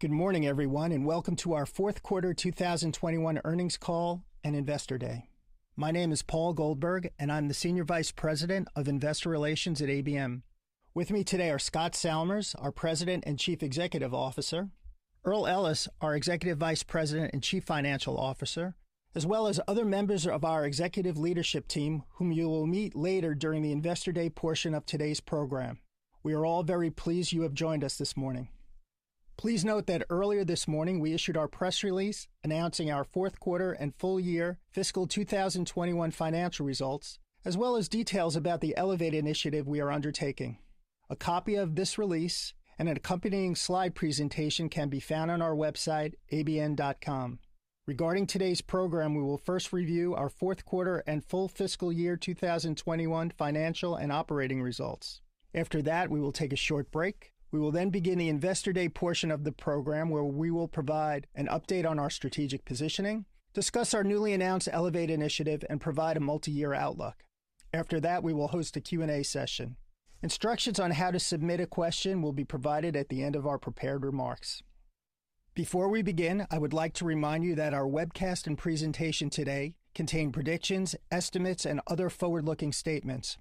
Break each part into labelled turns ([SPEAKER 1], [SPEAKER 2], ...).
[SPEAKER 1] Good morning, everyone, and welcome to our fourth quarter 2021 earnings call and Investor Day. My name is Paul Goldberg, and I'm the Senior Vice President of Investor Relations at ABM. With me today are Scott Salmirs, our President and Chief Executive Officer, Earl Ellis, our Executive Vice President and Chief Financial Officer, as well as other members of our executive leadership team, whom you will meet later during the Investor Day portion of today's program. We are all very pleased you have joined us this morning. Please note that earlier this morning, we issued our press release announcing our fourth quarter and full year fiscal 2021 financial results, as well as details about the ELEVATE initiative we are undertaking. A copy of this release and an accompanying slide presentation can be found on our website, abm.com. Regarding today's program, we will first review our fourth quarter and full fiscal year 2021 financial and operating results. After that, we will take a short break. We will then begin the Investor Day portion of the program, where we will provide an update on our strategic positioning, discuss our newly announced ELEVATE initiative, and provide a multi-year outlook. After that, we will host a Q&A session. Instructions on how to submit a question will be provided at the end of our prepared remarks. Before we begin, I would like to remind you that our webcast and presentation today contain predictions, estimates, and other forward-looking statements.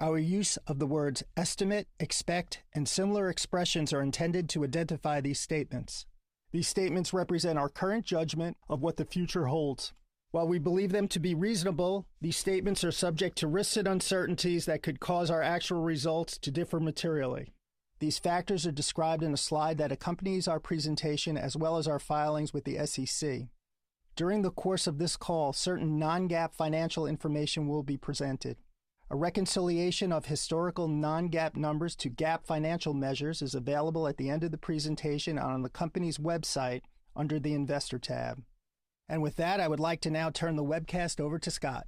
[SPEAKER 1] Our use of the words estimate, expect, and similar expressions are intended to identify these statements. These statements represent our current judgment of what the future holds. While we believe them to be reasonable, these statements are subject to risks and uncertainties that could cause our actual results to differ materially. These factors are described in a slide that accompanies our presentation as well as our filings with the SEC. During the course of this call, certain non-GAAP financial information will be presented. A reconciliation of historical non-GAAP numbers to GAAP financial measures is available at the end of the presentation on the company's website under the Investor tab. With that, I would like to now turn the webcast over to Scott.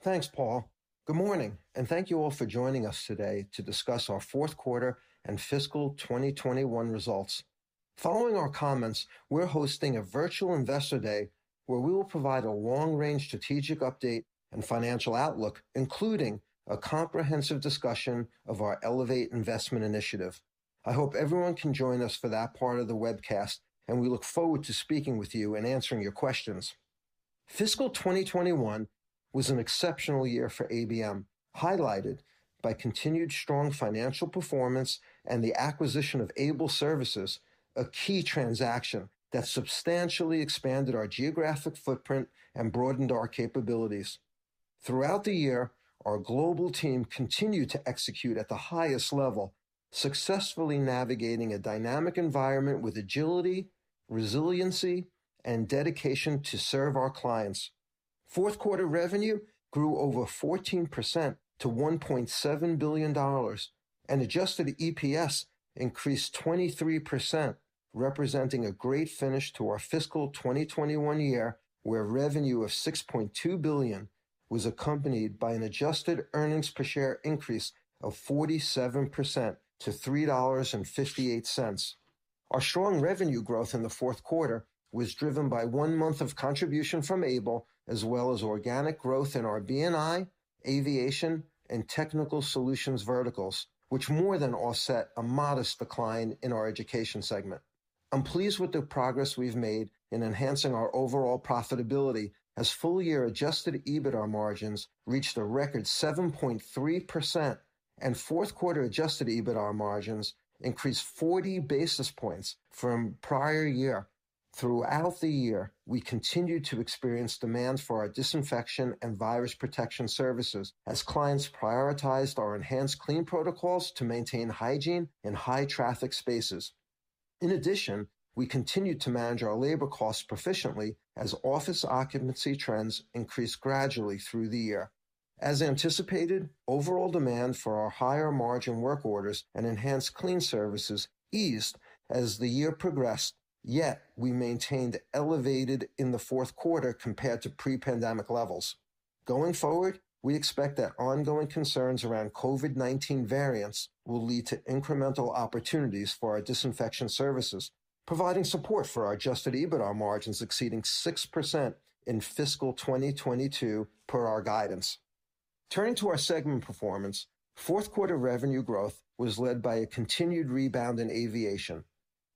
[SPEAKER 2] Thanks, Paul. Good morning, and thank you all for joining us today to discuss our fourth quarter and fiscal 2021 results. Following our comments, we're hosting a virtual Investor Day where we will provide a long-range strategic update and financial outlook, including a comprehensive discussion of our ELEVATE investment initiative. I hope everyone can join us for that part of the webcast, and we look forward to speaking with you and answering your questions. Fiscal 2021 was an exceptional year for ABM, highlighted by continued strong financial performance and the acquisition of Able Services, a key transaction that substantially expanded our geographic footprint and broadened our capabilities. Throughout the year, our global team continued to execute at the highest level, successfully navigating a dynamic environment with agility, resiliency, and dedication to serve our clients. Fourth quarter revenue grew over 14% to $1.7 billion, and adjusted EPS increased 23%, representing a great finish to our fiscal 2021 year, where revenue of $6.2 billion was accompanied by an adjusted earnings per share increase of 47% to $3.58. Our strong revenue growth in the fourth quarter was driven by one month of contribution from Able as well as organic growth in our B&I, Aviation, and Technical Solutions verticals, which more than offset a modest decline in our Education segment. I'm pleased with the progress we've made in enhancing our overall profitability as full year adjusted EBITDA margins reached a record 7.3% and fourth quarter adjusted EBITDA margins increased 40 basis points from prior year. Throughout the year, we continued to experience demand for our disinfection and virus protection services as clients prioritized our EnhancedClean protocols to maintain hygiene in high-traffic spaces. In addition, we continued to manage our labor costs proficiently as office occupancy trends increased gradually through the year. As anticipated, overall demand for our higher margin work orders and EnhancedClean services eased as the year progressed, yet we maintained elevated in the fourth quarter compared to pre-pandemic levels. Going forward, we expect that ongoing concerns around COVID-19 variants will lead to incremental opportunities for our disinfection services, providing support for our adjusted EBITDAR margins exceeding 6% in fiscal 2022 per our guidance. Turning to our segment performance, fourth quarter revenue growth was led by a continued rebound in aviation.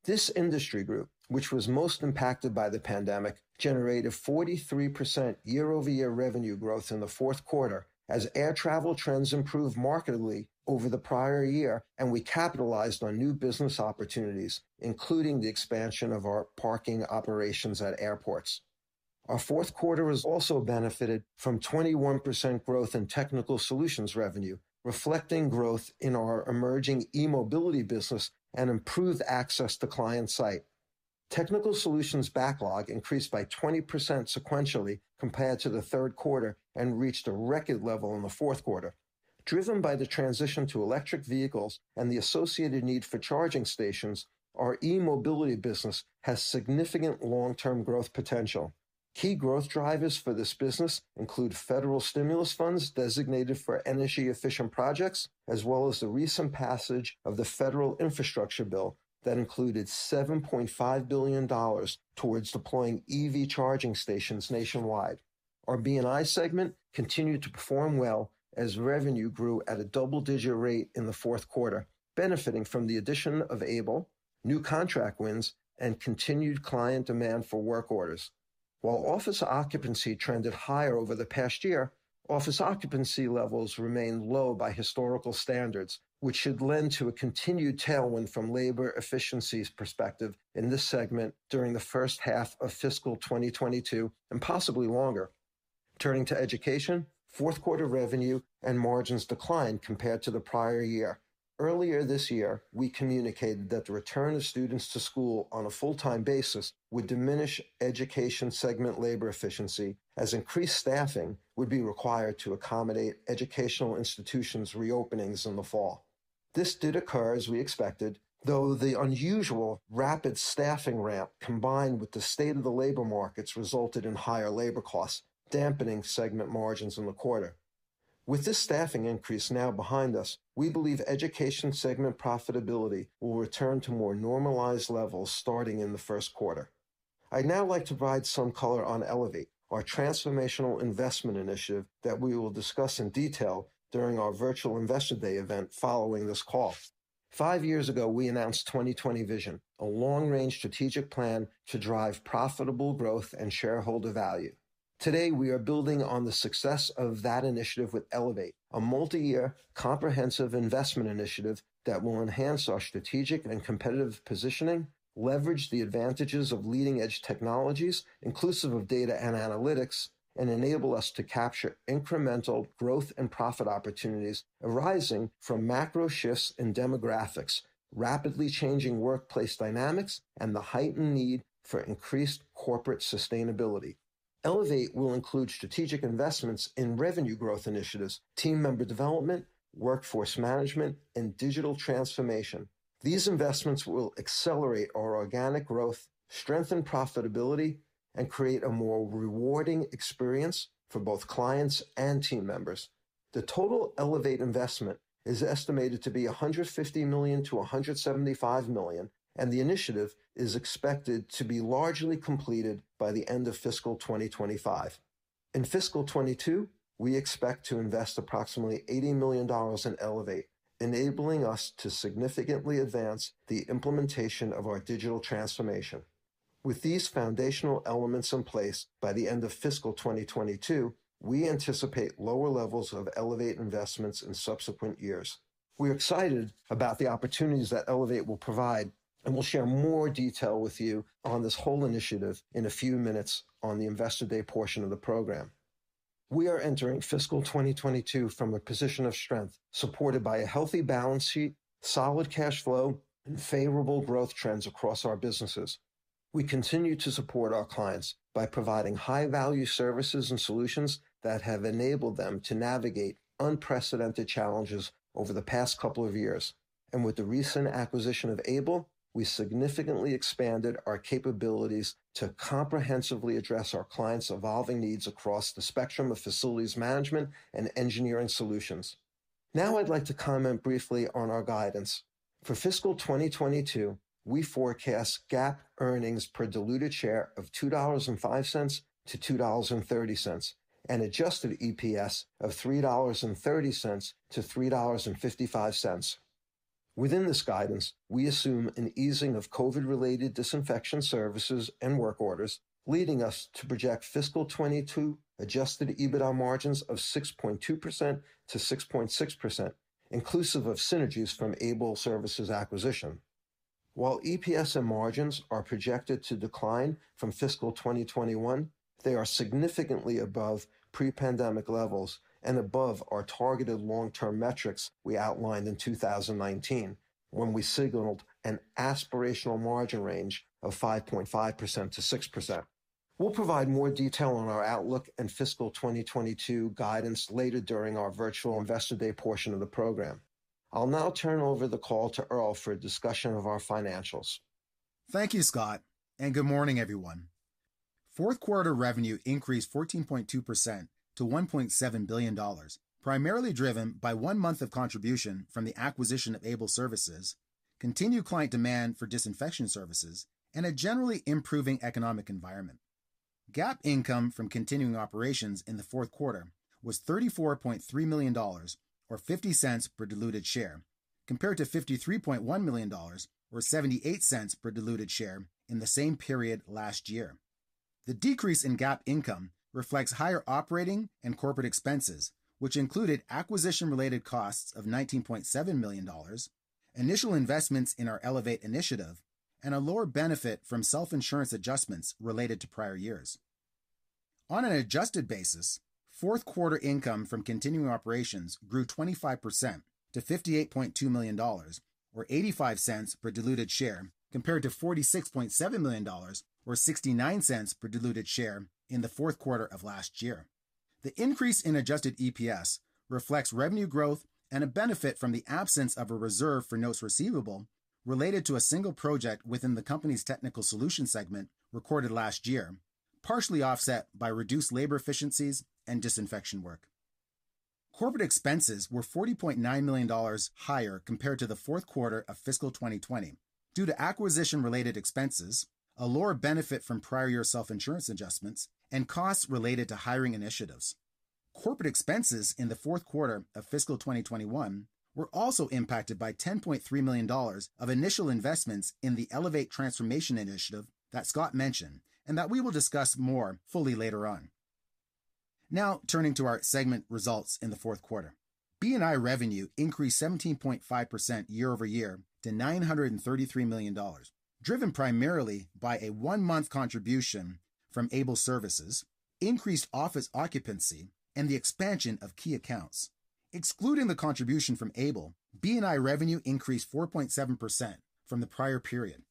[SPEAKER 2] This industry group, which was most impacted by the pandemic, generated 43% year-over-year revenue growth in the fourth quarter as air travel trends improved markedly over the prior year and we capitalized on new business opportunities, including the expansion of our parking operations at airports. Our fourth quarter has also benefited from 21% growth in technical solutions revenue, reflecting growth in our emerging e-mobility business and improved access to client site. Technical solutions backlog increased by 20% sequentially compared to the third quarter and reached a record level in the fourth quarter. Driven by the transition to electric vehicles and the associated need for charging stations, our e-mobility business has significant long-term growth potential. Key growth drivers for this business include federal stimulus funds designated for energy-efficient projects as well as the recent passage of the federal infrastructure bill that included $7.5 billion towards deploying EV charging stations nationwide. Our B&I segment continued to perform well as revenue grew at a double-digit rate in the fourth quarter, benefiting from the addition of Able, new contract wins, and continued client demand for work orders. While office occupancy trended higher over the past year, office occupancy levels remain low by historical standards, which should lend to a continued tailwind from labor efficiencies perspective in this segment during the first half of fiscal 2022, and possibly longer. Turning to Education, fourth quarter revenue and margins declined compared to the prior year. Earlier this year, we communicated that the return of students to school on a full-time basis would diminish Education segment labor efficiency as increased staffing would be required to accommodate educational institutions' reopenings in the fall. This did occur as we expected, though the unusual rapid staffing ramp, combined with the state of the labor markets, resulted in higher labor costs, dampening segment margins in the quarter. With this staffing increase now behind us, we believe Education segment profitability will return to more normalized levels starting in the first quarter. I'd now like to provide some color on ELEVATE, our transformational investment initiative that we will discuss in detail during our virtual Investor Day event following this call. 5 years ago, we announced 2020 Vision, a long-range strategic plan to drive profitable growth and shareholder value. Today, we are building on the success of that initiative with ELEVATE, a multi-year comprehensive investment initiative that will enhance our strategic and competitive positioning, leverage the advantages of leading-edge technologies, inclusive of data and analytics, and enable us to capture incremental growth and profit opportunities arising from macro shifts in demographics, rapidly changing workplace dynamics, and the heightened need for increased corporate sustainability. ELEVATE will include strategic investments in revenue growth initiatives, team member development, workforce management, and digital transformation. These investments will accelerate our organic growth, strengthen profitability, and create a more rewarding experience for both clients and team members. The total ELEVATE investment is estimated to be $150 million-$175 million, and the initiative is expected to be largely completed by the end of fiscal 2025. In fiscal 2022, we expect to invest approximately $80 million in ELEVATE, enabling us to significantly advance the implementation of our digital transformation. With these foundational elements in place by the end of fiscal 2022, we anticipate lower levels of ELEVATE investments in subsequent years. We're excited about the opportunities that ELEVATE will provide, and we'll share more detail with you on this whole initiative in a few minutes on the Investor Day portion of the program. We are entering fiscal 2022 from a position of strength, supported by a healthy balance sheet, solid cash flow, and favorable growth trends across our businesses. We continue to support our clients by providing high-value services and solutions that have enabled them to navigate unprecedented challenges over the past couple of years. With the recent acquisition of Able, we significantly expanded our capabilities to comprehensively address our clients' evolving needs across the spectrum of facilities management and engineering solutions. Now I'd like to comment briefly on our guidance. For fiscal 2022, we forecast GAAP earnings per diluted share of $2.05-$2.30, and adjusted EPS of $3.30-$3.55. Within this guidance, we assume an easing of COVID-related disinfection services and work orders, leading us to project fiscal 2022 adjusted EBITDA margins of 6.2%-6.6%, inclusive of synergies from Able Services acquisition. While EPS and margins are projected to decline from fiscal 2021, they are significantly above pre-pandemic levels and above our targeted long-term metrics we outlined in 2019, when we signaled an aspirational margin range of 5.5%-6%. We'll provide more detail on our outlook and fiscal 2022 guidance later during our virtual Investor Day portion of the program. I'll now turn over the call to Earl for a discussion of our financials.
[SPEAKER 3] Thank you, Scott, and good morning, everyone. Fourth quarter revenue increased 14.2% to $1.7 billion, primarily driven by one month of contribution from the acquisition of Able Services, continued client demand for disinfection services, and a generally improving economic environment. GAAP income from continuing operations in the fourth quarter was $34.3 million or $0.50 per diluted share, compared to $53.1 million or $0.78 per diluted share in the same period last year. The decrease in GAAP income reflects higher operating and corporate expenses, which included acquisition-related costs of $19.7 million, initial investments in our ELEVATE initiative, and a lower benefit from self-insurance adjustments related to prior years. On an adjusted basis, fourth quarter income from continuing operations grew 25% to $58.2 million or $0.85 per diluted share, compared to $46.7 million or $0.69 per diluted share in the fourth quarter of last year. The increase in adjusted EPS reflects revenue growth and a benefit from the absence of a reserve for notes receivable related to a single project within the company's Technical Solutions segment recorded last year, partially offset by reduced labor efficiencies and disinfection work. Corporate expenses were $40.9 million higher compared to the fourth quarter of fiscal 2020 due to acquisition-related expenses, a lower benefit from prior year self-insurance adjustments, and costs related to hiring initiatives. Corporate expenses in the fourth quarter of fiscal 2021 were also impacted by $10.3 million of initial investments in the ELEVATE transformation initiative that Scott mentioned, and that we will discuss more fully later on. Now turning to our segment results in the fourth quarter. B&I revenue increased 17.5% year-over-year to $933 million, driven primarily by a one-month contribution from Able Services, increased office occupancy, and the expansion of key accounts. Excluding the contribution from Able, B&I revenue increased 4.7% from the prior period.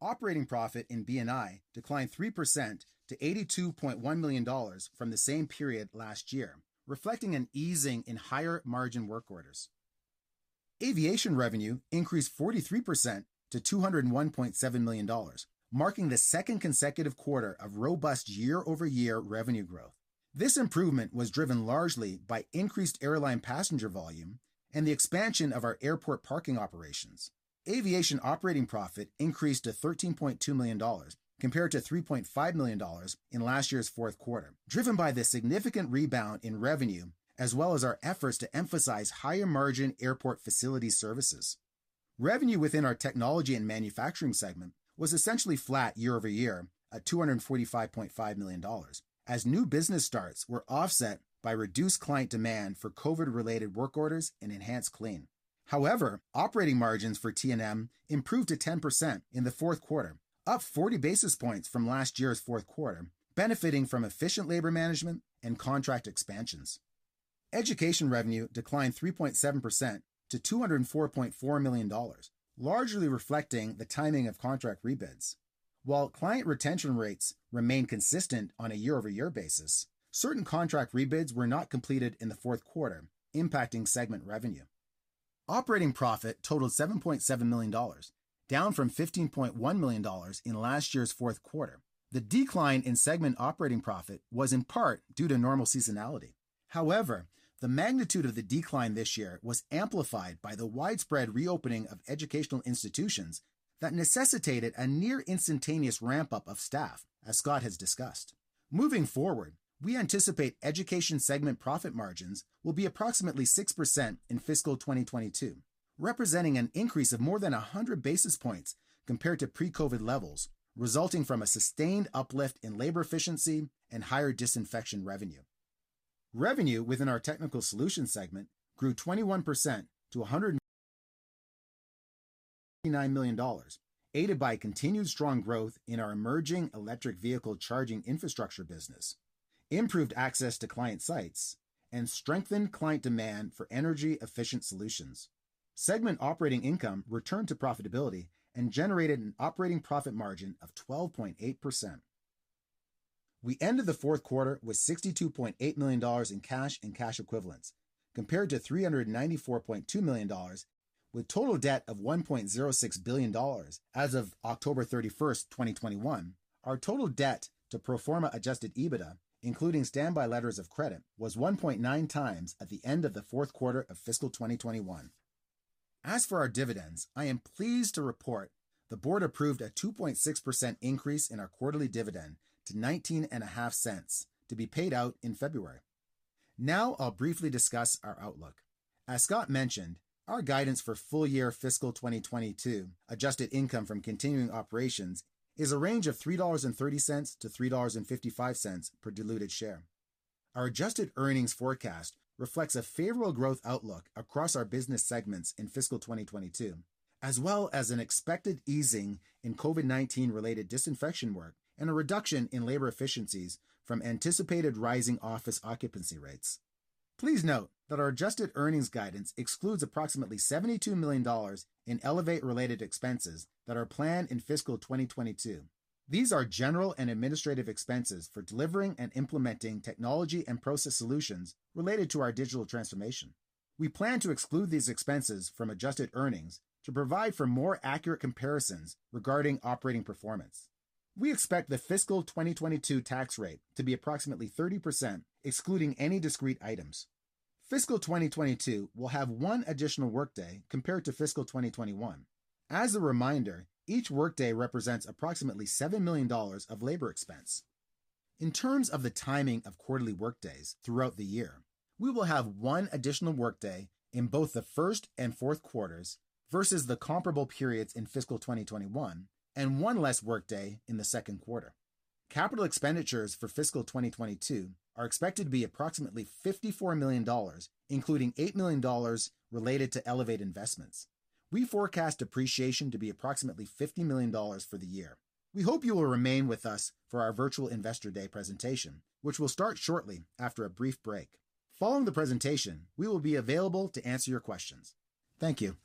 [SPEAKER 3] Operating profit in B&I declined 3% to $82.1 million from the same period last year, reflecting an easing in higher margin work orders. Aviation revenue increased 43% to $201.7 million, marking the second consecutive quarter of robust year-over-year revenue growth. This improvement was driven largely by increased airline passenger volume and the expansion of our airport parking operations. Aviation operating profit increased to $13.2 million, compared to $3.5 million in last year's fourth quarter, driven by the significant rebound in revenue, as well as our efforts to emphasize higher margin airport facility services. Revenue within our Technology & Manufacturing segment was essentially flat year over year at $245.5 million as new business starts were offset by reduced client demand for COVID-related work orders and EnhancedClean. However, operating margins for T&M improved to 10% in the fourth quarter, up 40 basis points from last year's fourth quarter, benefiting from efficient labor management and contract expansions. Education revenue declined 3.7% to $204.4 million, largely reflecting the timing of contract rebids. While client retention rates remain consistent on a year-over-year basis, certain contract rebids were not completed in the fourth quarter, impacting segment revenue. Operating profit totaled $7.7 million, down from $15.1 million in last year's fourth quarter. The decline in segment operating profit was in part due to normal seasonality. However, the magnitude of the decline this year was amplified by the widespread reopening of educational institutions that necessitated a near instantaneous ramp-up of staff, as Scott has discussed. Moving forward, we anticipate education segment profit margins will be approximately 6% in fiscal 2022, representing an increase of more than 100 basis points compared to pre-COVID levels, resulting from a sustained uplift in labor efficiency and higher disinfection revenue. Revenue within our technical solutions segment grew 21% to $199 million, aided by continued strong growth in our emerging electric vehicle charging infrastructure business, improved access to client sites, and strengthened client demand for energy-efficient solutions. Segment operating income returned to profitability and generated an operating profit margin of 12.8%. We ended the fourth quarter with $62.8 million in cash and cash equivalents compared to $394.2 million with total debt of $1.06 billion as of October 31, 2021. Our total debt to pro forma adjusted EBITDA, including standby letters of credit, was 1.9 times at the end of the fourth quarter of fiscal 2021. As for our dividends, I am pleased to report the board approved a 2.6% increase in our quarterly dividend to $0.195 to be paid out in February. Now I'll briefly discuss our outlook. As Scott mentioned, our guidance for full-year fiscal 2022 adjusted income from continuing operations is a range of $3.30-$3.55 per diluted share. Our adjusted earnings forecast reflects a favorable growth outlook across our business segments in fiscal 2022, as well as an expected easing in COVID-19 related disinfection work and a reduction in labor efficiencies from anticipated rising office occupancy rates. Please note that our adjusted earnings guidance excludes approximately $72 million in ELEVATE-related expenses that are planned in fiscal 2022. These are general and administrative expenses for delivering and implementing technology and process solutions related to our digital transformation. We plan to exclude these expenses from adjusted earnings to provide for more accurate comparisons regarding operating performance. We expect the fiscal 2022 tax rate to be approximately 30% excluding any discrete items. Fiscal 2022 will have one additional workday compared to fiscal 2021. As a reminder, each workday represents approximately $7 million of labor expense. In terms of the timing of quarterly workdays throughout the year, we will have one additional workday in both the first and fourth quarters versus the comparable periods in fiscal 2021, and one less workday in the second quarter. Capital expenditures for fiscal 2022 are expected to be approximately $54 million, including $8 million related to ELEVATE investments. We forecast depreciation to be approximately $50 million for the year. We hope you will remain with us for our virtual Investor Day presentation, which will start shortly after a brief break. Following the presentation, we will be available to answer your questions. Thank you.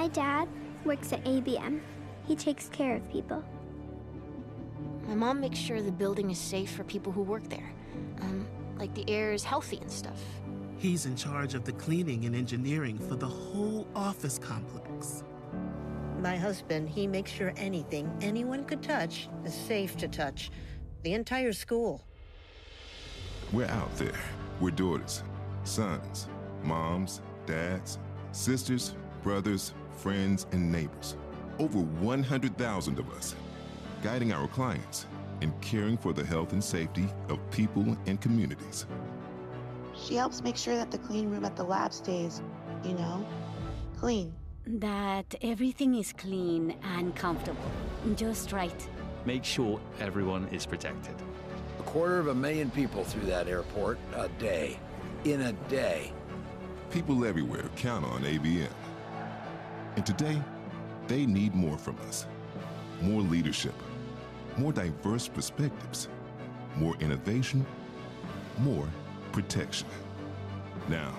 [SPEAKER 4] My dad works at ABM. He takes care of people. My mom makes sure the building is safe for people who work there, like the air is healthy and stuff. He's in charge of the cleaning and engineering for the whole office complex. My husband, he makes sure anything anyone could touch is safe to touch, the entire school. We're out there. We're daughters, sons, moms, dads, sisters, brothers, friends and neighbors. Over 100,000 of us guiding our clients and caring for the health and safety of people and communities. She helps make sure that the clean room at the lab stays, you know, clean. That everything is clean and comfortable, just right. Make sure everyone is protected. A quarter of a million people through that airport a day, in a day. People everywhere count on ABM, and today they need more from us, more leadership, more diverse perspectives, more innovation, more protection. Now,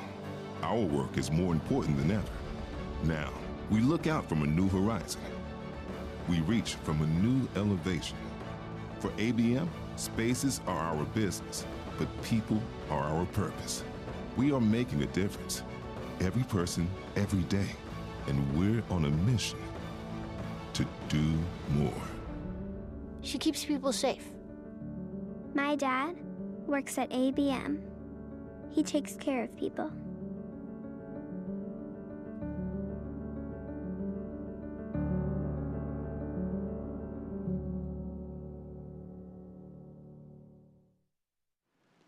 [SPEAKER 4] our work is more important than ever. Now, we look out from a new horizon. We reach from a new elevation. For ABM, spaces are our business, but people are our purpose. We are making a difference, every person, every day, and we're on a mission to do more. She keeps people safe. My dad works at ABM. He takes care of people.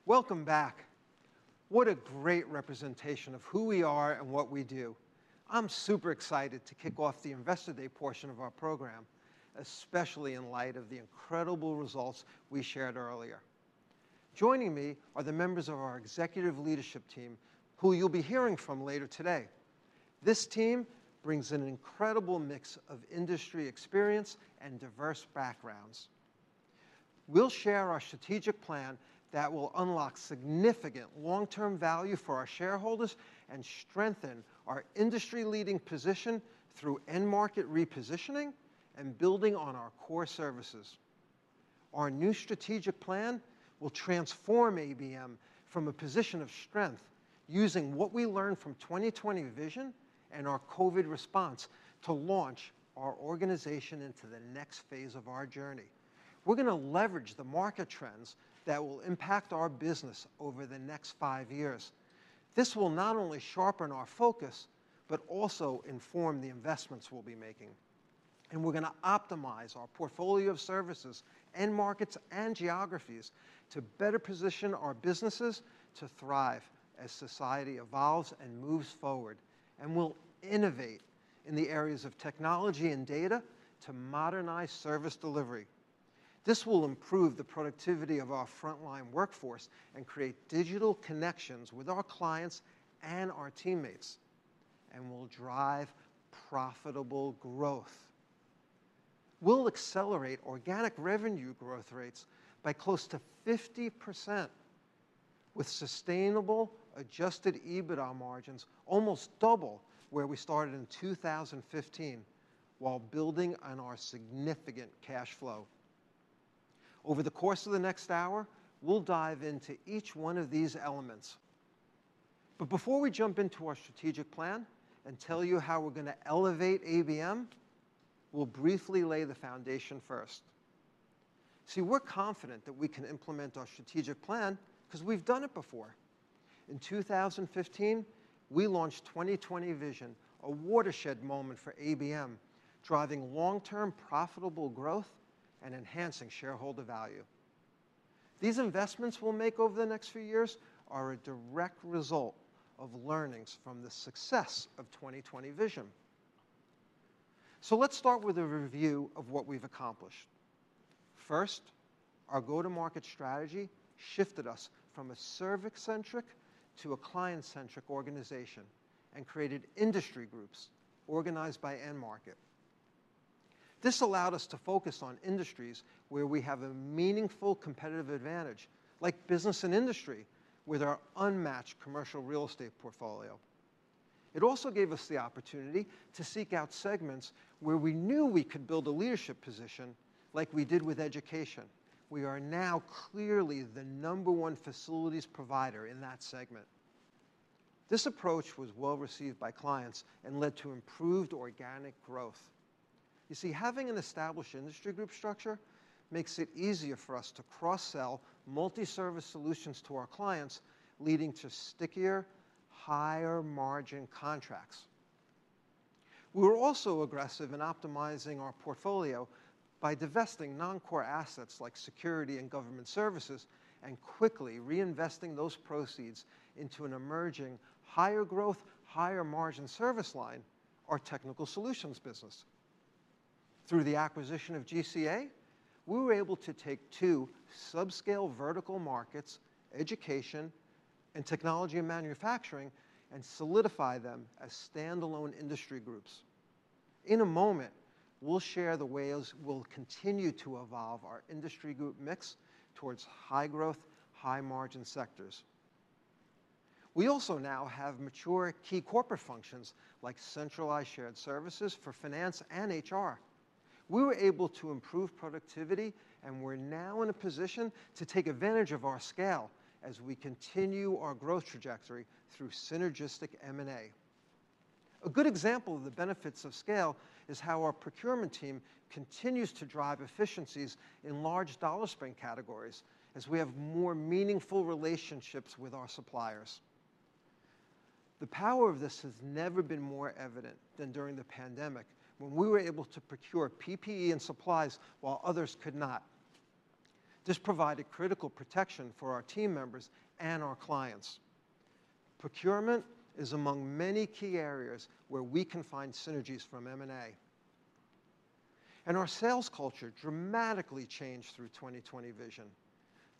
[SPEAKER 2] Welcome back. What a great representation of who we are and what we do. I'm super excited to kick off the Investor Day portion of our program, especially in light of the incredible results we shared earlier. Joining me are the members of our executive leadership team who you'll be hearing from later today. This team brings an incredible mix of industry experience and diverse backgrounds. We'll share our strategic plan that will unlock significant long-term value for our shareholders and strengthen our industry leading position through end market repositioning and building on our core services. Our new strategic plan will transform ABM from a position of strength using what we learned from 2020 Vision and our COVID response to launch our organization into the next phase of our journey. We're gonna leverage the market trends that will impact our business over the next five years. This will not only sharpen our focus, but also inform the investments we'll be making. We're gonna optimize our portfolio of services, end markets and geographies to better position our businesses to thrive as society evolves and moves forward. We'll innovate in the areas of technology and data to modernize service delivery. This will improve the productivity of our frontline workforce and create digital connections with our clients and our teammates, and will drive profitable growth. We'll accelerate organic revenue growth rates by close to 50% with sustainable, adjusted EBITDA margins almost double where we started in 2015, while building on our significant cash flow. Over the course of the next hour, we'll dive into each one of these elements. Before we jump into our strategic plan and tell you how we're going to ELEVATE ABM, we'll briefly lay the foundation first. See, we're confident that we can implement our strategic plan because we've done it before. In 2015, we launched 2020 Vision, a watershed moment for ABM, driving long-term profitable growth and enhancing shareholder value. These investments we'll make over the next few years are a direct result of learnings from the success of 2020 Vision. Let's start with a review of what we've accomplished. First, our go-to-market strategy shifted us from a service-centric to a client-centric organization and created industry groups organized by end market. This allowed us to focus on industries where we have a meaningful competitive advantage, like business and industry with our unmatched commercial real estate portfolio. It also gave us the opportunity to seek out segments where we knew we could build a leadership position like we did with education. We are now clearly the number one facilities provider in that segment. This approach was well-received by clients and led to improved organic growth. You see, having an established industry group structure makes it easier for us to cross-sell multi-service solutions to our clients, leading to stickier, higher margin contracts. We were also aggressive in optimizing our portfolio by divesting non-core assets like security and government services, and quickly reinvesting those proceeds into an emerging higher growth, higher margin service line, our technical solutions business. Through the acquisition of GCA, we were able to take two subscale vertical markets, education, technology, and manufacturing, and solidify them as standalone industry groups. In a moment, we'll share the ways we'll continue to evolve our industry group mix towards high growth, high margin sectors. We also now have mature key corporate functions like centralized shared services for finance and HR. We were able to improve productivity, and we're now in a position to take advantage of our scale as we continue our growth trajectory through synergistic M&A. A good example of the benefits of scale is how our procurement team continues to drive efficiencies in large dollar spend categories as we have more meaningful relationships with our suppliers. The power of this has never been more evident than during the pandemic, when we were able to procure PPE and supplies while others could not. This provided critical protection for our team members and our clients. Procurement is among many key areas where we can find synergies from M&A. Our sales culture dramatically changed through 2020 Vision.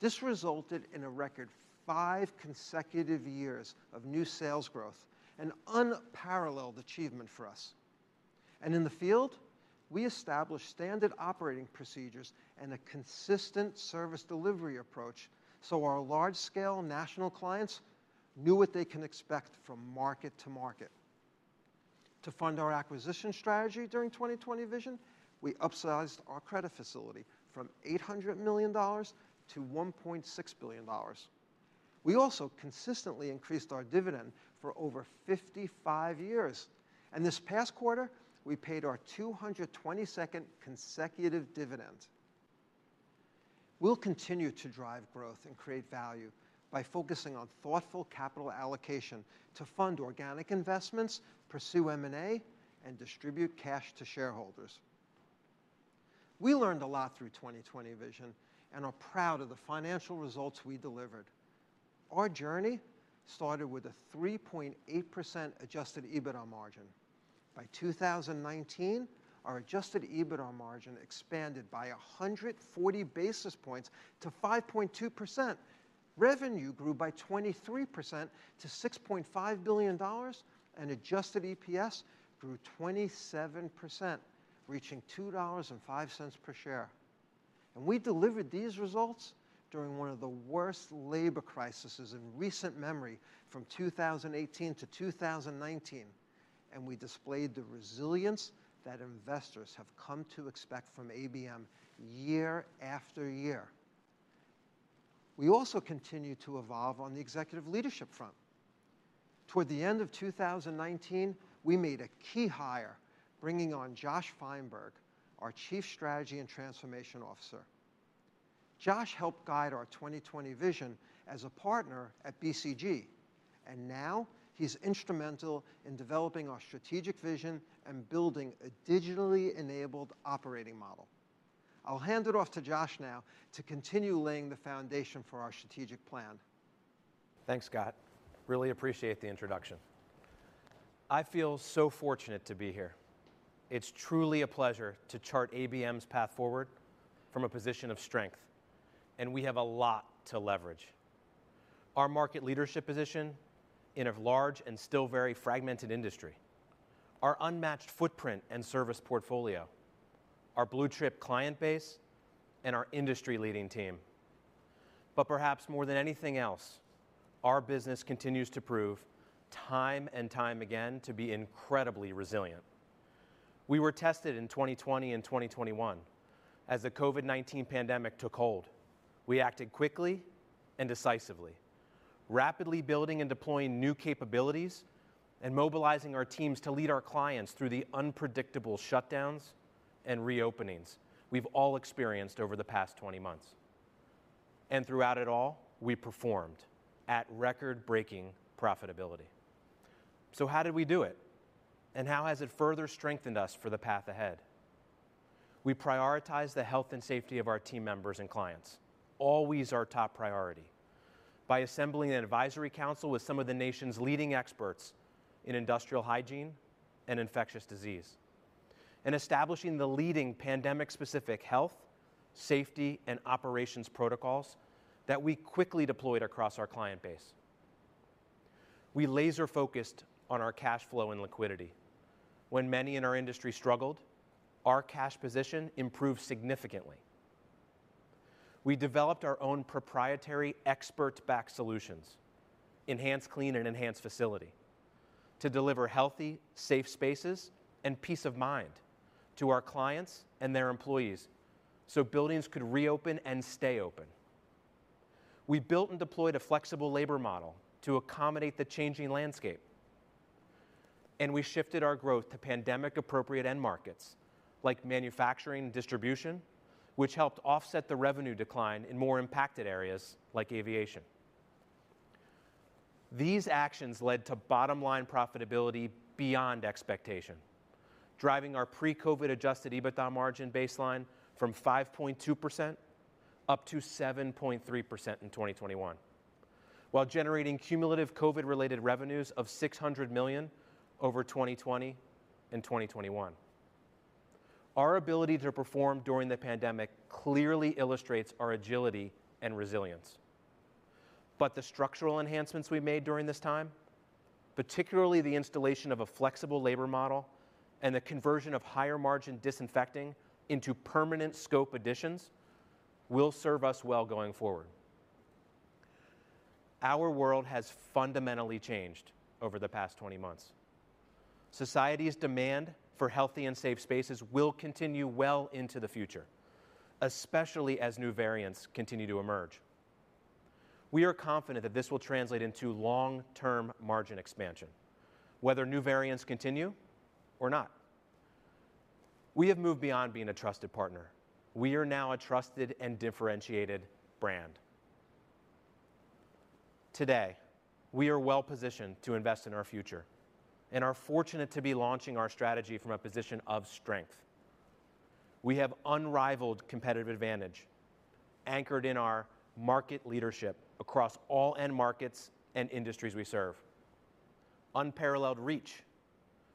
[SPEAKER 2] This resulted in a record five consecutive years of new sales growth, an unparalleled achievement for us. In the field, we established standard operating procedures and a consistent service delivery approach so our large-scale national clients knew what they can expect from market to market. To fund our acquisition strategy during 2020 Vision, we upsized our credit facility from $800 million to $1.6 billion. We also consistently increased our dividend for over 55 years. This past quarter, we paid our 222nd consecutive dividend. We'll continue to drive growth and create value by focusing on thoughtful capital allocation to fund organic investments, pursue M&A, and distribute cash to shareholders. We learned a lot through 2020 Vision and are proud of the financial results we delivered. Our journey started with a 3.8% adjusted EBITDA margin. By 2019, our adjusted EBITDA margin expanded by 140 basis points to 5.2%. Revenue grew by 23% to $6.5 billion, and adjusted EPS grew 27%, reaching $2.05 per share. We delivered these results during one of the worst labor crises in recent memory from 2018 to 2019, and we displayed the resilience that investors have come to expect from ABM year after year. We also continue to evolve on the executive leadership front. Toward the end of 2019, we made a key hire, bringing on Josh Feinberg, our Chief Strategy and Transformation Officer. Josh helped guide our 2020 Vision as a partner at BCG, and now he's instrumental in developing our strategic vision and building a digitally enabled operating model. I'll hand it off to Josh now to continue laying the foundation for our strategic plan.
[SPEAKER 5] Thanks, Scott. I really appreciate the introduction. I feel so fortunate to be here. It's truly a pleasure to chart ABM's path forward from a position of strength, and we have a lot to leverage. Our market leadership position in a large and still very fragmented industry, our unmatched footprint and service portfolio, our blue-chip client base, and our industry-leading team. But perhaps more than anything else, our business continues to prove time and time again to be incredibly resilient. We were tested in 2020 and 2021 as the COVID-19 pandemic took hold. We acted quickly and decisively, rapidly building and deploying new capabilities and mobilizing our teams to lead our clients through the unpredictable shutdowns and reopenings we've all experienced over the past 20 months. Throughout it all, we performed at record-breaking profitability. How did we do it? How has it further strengthened us for the path ahead? We prioritize the health and safety of our team members and clients, always our top priority, by assembling an advisory council with some of the nation's leading experts in industrial hygiene and infectious disease and establishing the leading pandemic-specific health, safety, and operations protocols that we quickly deployed across our client base. We laser-focused on our cash flow and liquidity. When many in our industry struggled, our cash position improved significantly. We developed our own proprietary expert-backed solutions, EnhancedClean and EnhancedFacility, to deliver healthy, safe spaces and peace of mind to our clients and their employees so buildings could reopen and stay open. We built and deployed a flexible labor model to accommodate the changing landscape. We shifted our growth to pandemic-appropriate end markets like Manufacturing & Distribution, which helped offset the revenue decline in more impacted areas like aviation. These actions led to bottom-line profitability beyond expectation, driving our pre-COVID adjusted EBITDA margin baseline from 5.2% up to 7.3% in 2021, while generating cumulative COVID-related revenues of $600 million over 2020 and 2021. Our ability to perform during the pandemic clearly illustrates our agility and resilience. The structural enhancements we made during this time, particularly the installation of a flexible labor model and the conversion of higher margin disinfecting into permanent scope additions, will serve us well going forward. Our world has fundamentally changed over the past 20 months. Society's demand for healthy and safe spaces will continue well into the future, especially as new variants continue to emerge. We are confident that this will translate into long-term margin expansion, whether new variants continue or not. We have moved beyond being a trusted partner. We are now a trusted and differentiated brand. Today, we are well-positioned to invest in our future and are fortunate to be launching our strategy from a position of strength. We have unrivaled competitive advantage anchored in our market leadership across all end markets and industries we serve. Unparalleled reach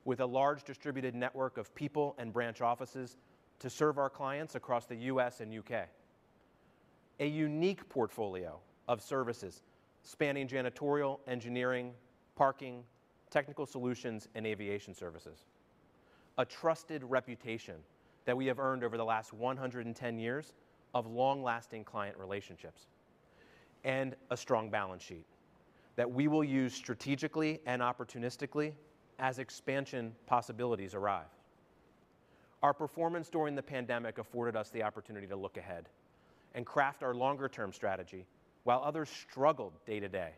[SPEAKER 5] with a large distributed network of people and branch offices to serve our clients across the U.S. and U.K. A unique portfolio of services spanning janitorial, engineering, parking, technical solutions, and aviation services. A trusted reputation that we have earned over the last 110 years of long-lasting client relationships. A strong balance sheet that we will use strategically and opportunistically as expansion possibilities arrive. Our performance during the pandemic afforded us the opportunity to look ahead and craft our longer-term strategy while others struggled day to day.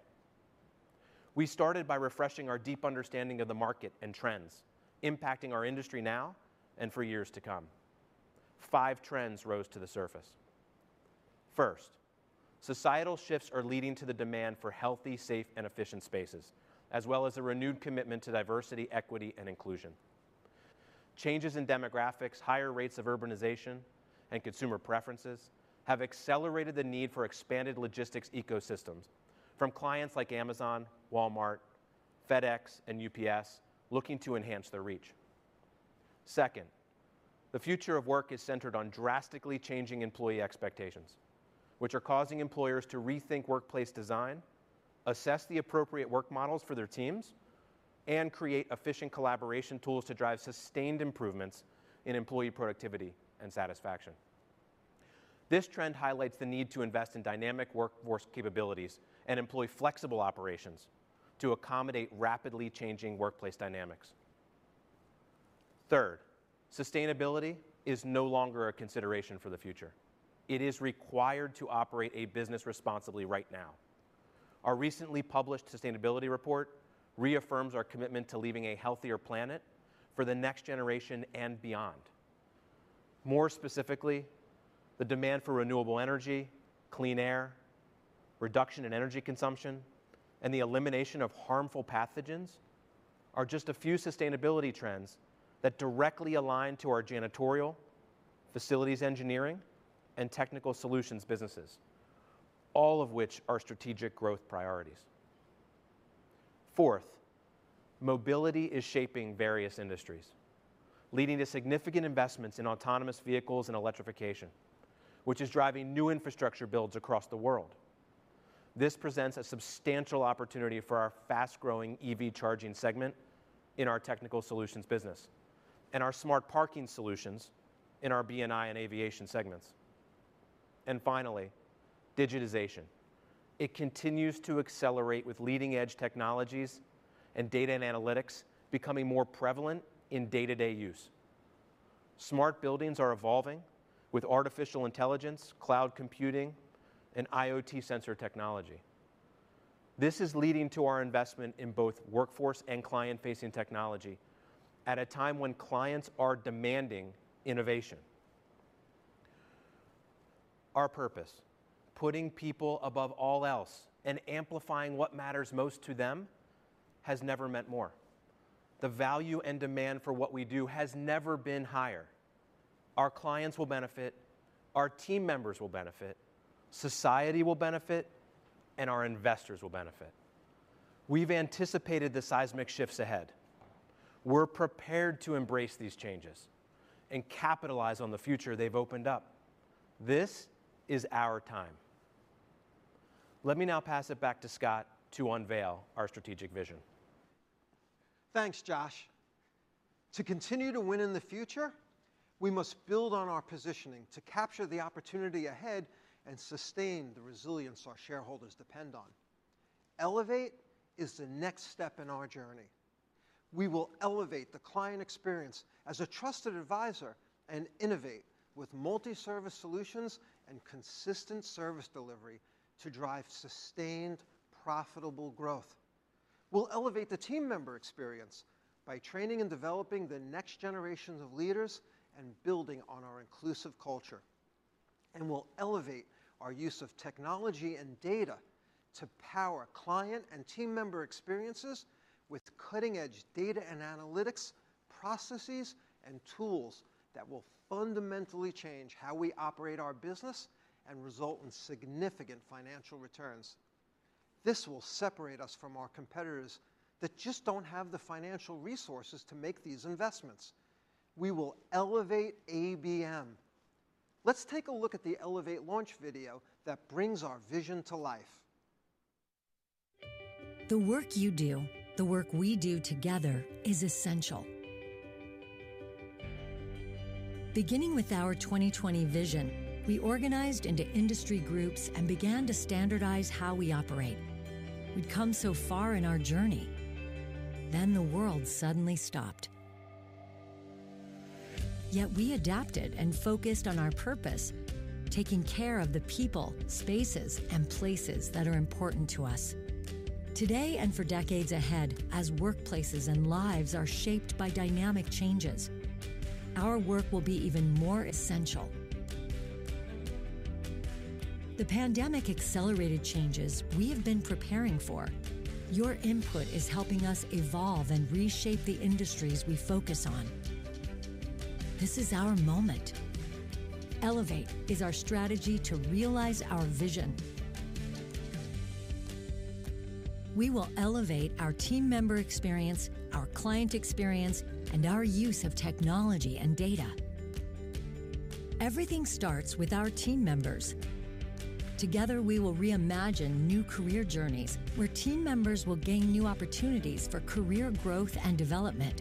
[SPEAKER 5] We started by refreshing our deep understanding of the market and trends impacting our industry now and for years to come. Five trends rose to the surface. First, societal shifts are leading to the demand for healthy, safe, and efficient spaces, as well as a renewed commitment to diversity, equity, and inclusion. Changes in demographics, higher rates of urbanization, and consumer preferences have accelerated the need for expanded logistics ecosystems from clients like Amazon, Walmart, FedEx, and UPS looking to enhance their reach. Second, the future of work is centered on drastically changing employee expectations, which are causing employers to rethink workplace design, assess the appropriate work models for their teams, and create efficient collaboration tools to drive sustained improvements in employee productivity and satisfaction. This trend highlights the need to invest in dynamic workforce capabilities and employ flexible operations to accommodate rapidly changing workplace dynamics. Third, sustainability is no longer a consideration for the future. It is required to operate a business responsibly right now. Our recently published sustainability report reaffirms our commitment to leaving a healthier planet for the next generation and beyond. More specifically, the demand for renewable energy, clean air, reduction in energy consumption, and the elimination of harmful pathogens are just a few sustainability trends that directly align to our janitorial, facilities engineering and technical solutions businesses, all of which are strategic growth priorities. Fourth, mobility is shaping various industries, leading to significant investments in autonomous vehicles and electrification, which is driving new infrastructure builds across the world. This presents a substantial opportunity for our fast-growing EV charging segment in our technical solutions business and our smart parking solutions in our B&I and aviation segments. Finally, digitization. It continues to accelerate with leading-edge technologies and data and analytics becoming more prevalent in day-to-day use. Smart buildings are evolving with artificial intelligence, cloud computing, and IoT sensor technology. This is leading to our investment in both workforce and client-facing technology at a time when clients are demanding innovation. Our purpose, putting people above all else and amplifying what matters most to them, has never meant more. The value and demand for what we do has never been higher. Our clients will benefit, our team members will benefit, society will benefit, and our investors will benefit. We've anticipated the seismic shifts ahead. We're prepared to embrace these changes and capitalize on the future they've opened up. This is our time. Let me now pass it back to Scott to unveil our strategic vision.
[SPEAKER 2] Thanks, Josh. To continue to win in the future, we must build on our positioning to capture the opportunity ahead and sustain the resilience our shareholders depend on. ELEVATE is the next step in our journey. We will elevate the client experience as a trusted advisor and innovate with multi-service solutions and consistent service delivery to drive sustained, profitable growth. We'll elevate the team member experience by training and developing the next generations of leaders and building on our inclusive culture. We'll elevate our use of technology and data to power client and team member experiences with cutting-edge data and analytics, processes, and tools that will fundamentally change how we operate our business and result in significant financial returns. This will separate us from our competitors that just don't have the financial resources to make these investments. We will elevate ABM. Let's take a look at the ELEVATE launch video that brings our vision to life.
[SPEAKER 4] The work you do, the work we do together, is essential. Beginning with our 2020 Vision, we organized into industry groups and began to standardize how we operate. We'd come so far in our journey. The world suddenly stopped. We adapted and focused on our purpose, taking care of the people, spaces, and places that are important to us. Today and for decades ahead, as workplaces and lives are shaped by dynamic changes, our work will be even more essential. The pandemic accelerated changes we have been preparing for. Your input is helping us evolve and reshape the industries we focus on. This is our moment. ELEVATE is our strategy to realize our vision. We will elevate our team member experience, our client experience, and our use of technology and data. Everything starts with our team members. Together, we will reimagine new career journeys where team members will gain new opportunities for career growth and development.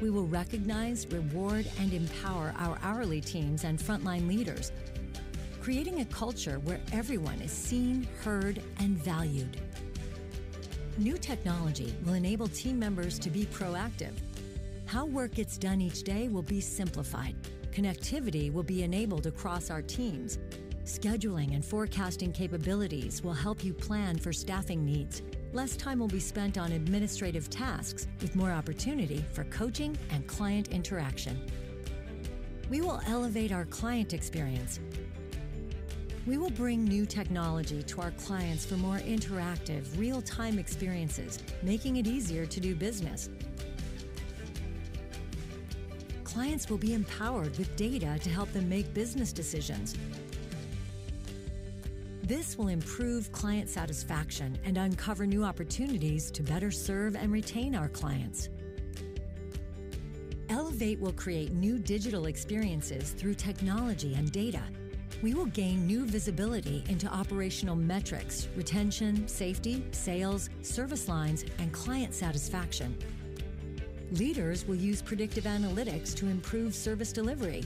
[SPEAKER 4] We will recognize, reward, and empower our hourly teams and frontline leaders, creating a culture where everyone is seen, heard, and valued. New technology will enable team members to be proactive. How work gets done each day will be simplified. Connectivity will be enabled across our teams. Scheduling and forecasting capabilities will help you plan for staffing needs. Less time will be spent on administrative tasks with more opportunity for coaching and client interaction. We will elevate our client experience. We will bring new technology to our clients for more interactive, real-time experiences, making it easier to do business. Clients will be empowered with data to help them make business decisions. This will improve client satisfaction and uncover new opportunities to better serve and retain our clients. ELEVATE will create new digital experiences through technology and data. We will gain new visibility into operational metrics, retention, safety, sales, service lines, and client satisfaction. Leaders will use predictive analytics to improve service delivery,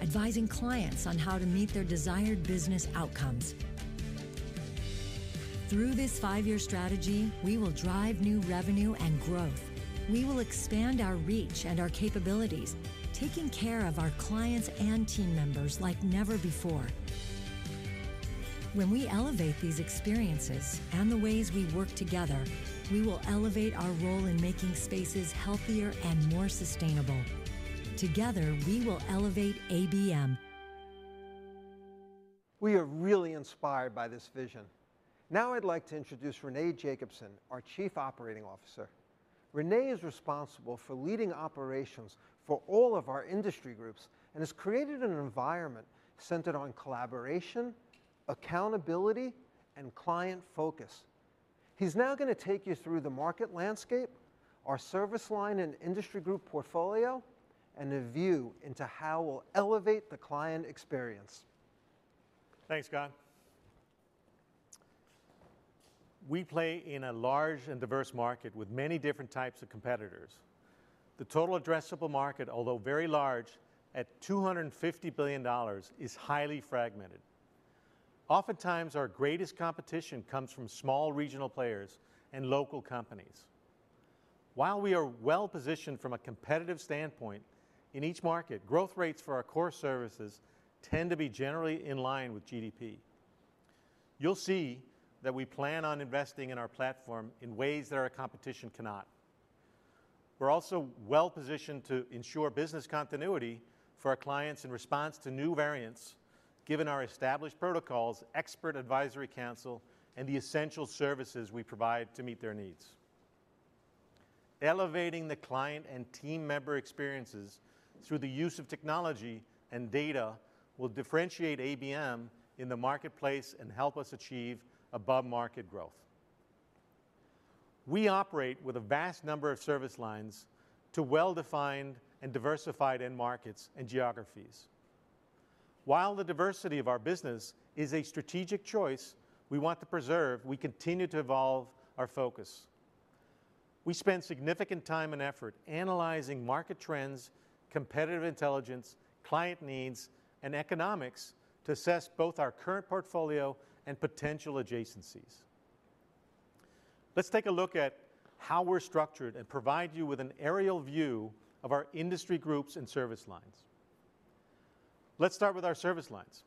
[SPEAKER 4] advising clients on how to meet their desired business outcomes. Through this five-year strategy, we will drive new revenue and growth. We will expand our reach and our capabilities, taking care of our clients and team members like never before. When we elevate these experiences and the ways we work together, we will elevate our role in making spaces healthier and more sustainable. Together, we will elevate ABM.
[SPEAKER 2] We are really inspired by this vision. Now I'd like to introduce Rene Jacobsen, our Chief Operating Officer. Rene is responsible for leading operations for all of our industry groups and has created an environment centered on collaboration, accountability, and client focus. He's now going to take you through the market landscape, our service line and industry group portfolio, and a view into how we'll elevate the client experience.
[SPEAKER 6] Thanks, Scott. We play in a large and diverse market with many different types of competitors. The total addressable market, although very large at $250 billion, is highly fragmented. Oftentimes, our greatest competition comes from small regional players and local companies. While we are well-positioned from a competitive standpoint in each market, growth rates for our core services tend to be generally in line with GDP. You'll see that we plan on investing in our platform in ways that our competition cannot. We're also well-positioned to ensure business continuity for our clients in response to new variants, given our established protocols, expert advisory council, and the essential services we provide to meet their needs. Elevating the client and team member experiences through the use of technology and data will differentiate ABM in the marketplace and help us achieve above market growth. We operate with a vast number of service lines to well-defined and diversified end markets and geographies. While the diversity of our business is a strategic choice we want to preserve, we continue to evolve our focus. We spend significant time and effort analyzing market trends, competitive intelligence, client needs, and economics to assess both our current portfolio and potential adjacencies. Let's take a look at how we're structured and provide you with an aerial view of our industry groups and service lines. Let's start with our service lines.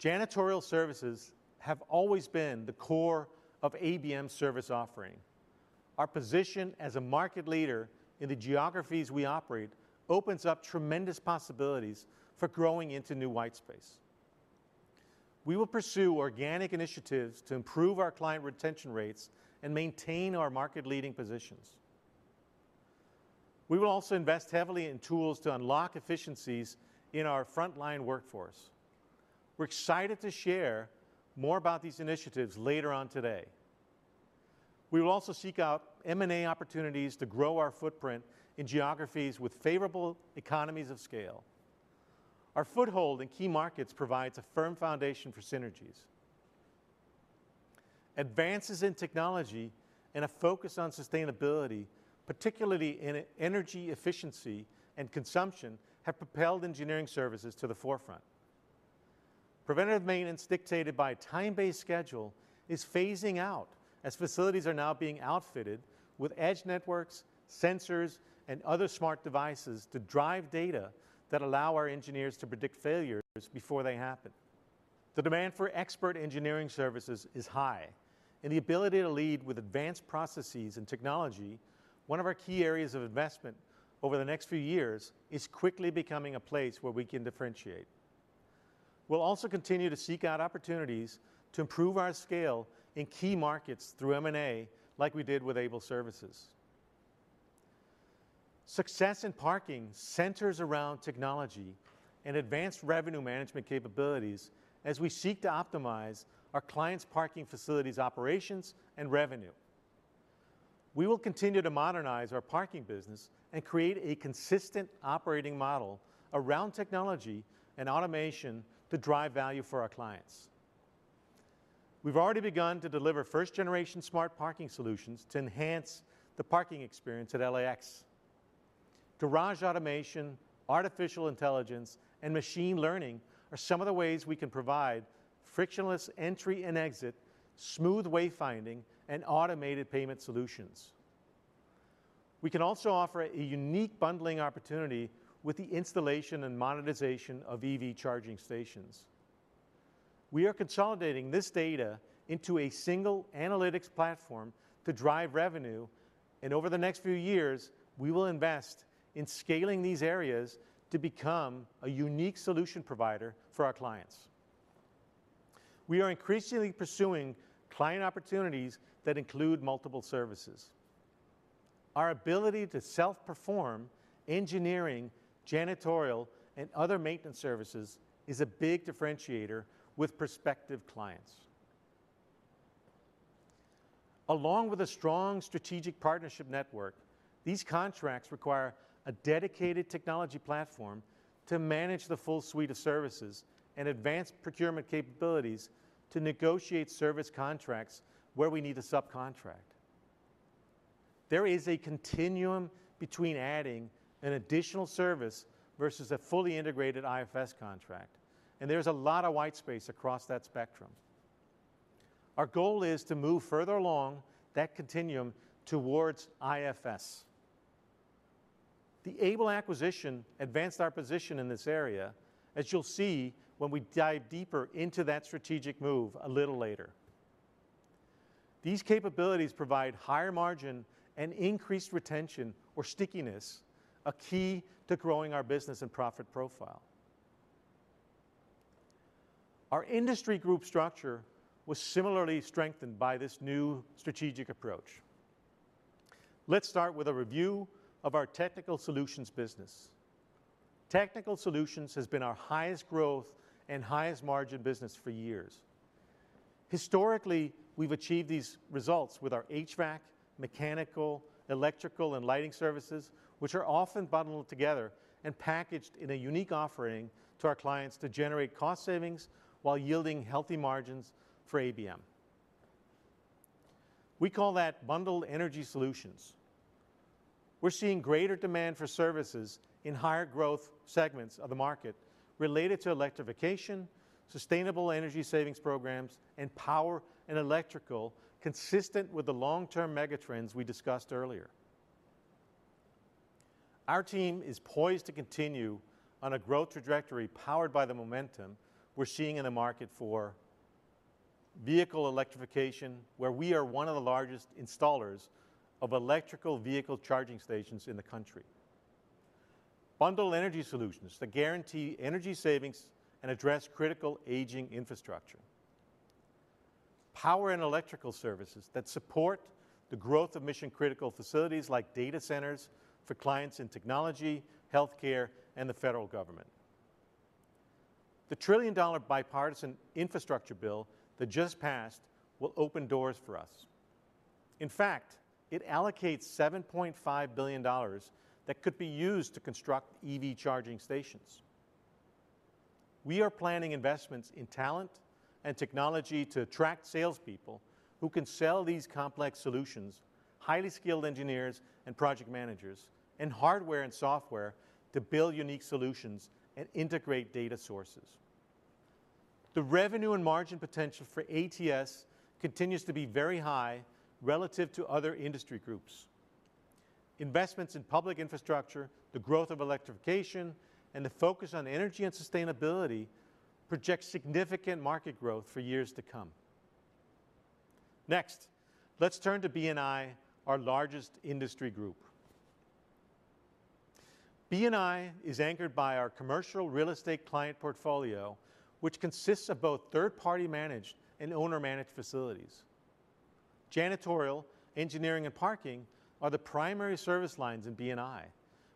[SPEAKER 6] Janitorial services have always been the core of ABM's service offering. Our position as a market leader in the geographies we operate opens up tremendous possibilities for growing into new white space. We will pursue organic initiatives to improve our client retention rates and maintain our market-leading positions. We will also invest heavily in tools to unlock efficiencies in our frontline workforce. We're excited to share more about these initiatives later on today. We will also seek out M&A opportunities to grow our footprint in geographies with favorable economies of scale. Our foothold in key markets provides a firm foundation for synergies. Advances in technology and a focus on sustainability, particularly in energy efficiency and consumption, have propelled engineering services to the forefront. Preventive maintenance dictated by a time-based schedule is phasing out as facilities are now being outfitted with edge networks, sensors, and other smart devices to drive data that allow our engineers to predict failures before they happen. The demand for expert engineering services is high, and the ability to lead with advanced processes and technology, one of our key areas of investment over the next few years, is quickly becoming a place where we can differentiate. We'll also continue to seek out opportunities to improve our scale in key markets through M&A like we did with Able Services. Success in parking centers around technology and advanced revenue management capabilities as we seek to optimize our clients' parking facilities operations and revenue. We will continue to modernize our parking business and create a consistent operating model around technology and automation to drive value for our clients. We've already begun to deliver first-generation smart parking solutions to enhance the parking experience at LAX. Garage automation, artificial intelligence, and machine learning are some of the ways we can provide frictionless entry and exit, smooth wayfinding, and automated payment solutions. We can also offer a unique bundling opportunity with the installation and monetization of EV charging stations. We are consolidating this data into a single analytics platform to drive revenue, and over the next few years, we will invest in scaling these areas to become a unique solution provider for our clients. We are increasingly pursuing client opportunities that include multiple services. Our ability to self-perform engineering, janitorial, and other maintenance services is a big differentiator with prospective clients. Along with a strong strategic partnership network, these contracts require a dedicated technology platform to manage the full suite of services and advanced procurement capabilities to negotiate service contracts where we need to subcontract. There is a continuum between adding an additional service versus a fully integrated IFS contract, and there's a lot of white space across that spectrum. Our goal is to move further along that continuum towards IFS. The Able acquisition advanced our position in this area, as you'll see when we dive deeper into that strategic move a little later. These capabilities provide higher margin and increased retention or stickiness, a key to growing our business and profit profile. Our industry group structure was similarly strengthened by this new strategic approach. Let's start with a review of our technical solutions business. Technical solutions has been our highest growth and highest margin business for years. Historically, we've achieved these results with our HVAC, mechanical, electrical, and lighting services, which are often bundled together and packaged in a unique offering to our clients to generate cost savings while yielding healthy margins for ABM. We call that Bundled Energy Solutions. We're seeing greater demand for services in higher growth segments of the market related to electrification, sustainable energy savings programs, and power and electrical consistent with the long-term mega trends we discussed earlier. Our team is poised to continue on a growth trajectory powered by the momentum we're seeing in the market for vehicle electrification, where we are one of the largest installers of electric vehicle charging stations in the country. Bundled Energy Solutions that guarantee energy savings and address critical aging infrastructure. Power and electrical services that support the growth of mission-critical facilities like data centers for clients in technology, healthcare, and the federal government. The trillion-dollar bipartisan infrastructure bill that just passed will open doors for us. In fact, it allocates $7.5 billion that could be used to construct EV charging stations. We are planning investments in talent and technology to attract salespeople who can sell these complex solutions, highly skilled engineers and project managers, and hardware and software to build unique solutions and integrate data sources. The revenue and margin potential for ATS continues to be very high relative to other industry groups. Investments in public infrastructure, the growth of electrification, and the focus on energy and sustainability project significant market growth for years to come. Next, let's turn to B&I, our largest industry group. B&I is anchored by our commercial real estate client portfolio, which consists of both third-party managed and owner-managed facilities. Janitorial, engineering, and parking are the primary service lines in B&I,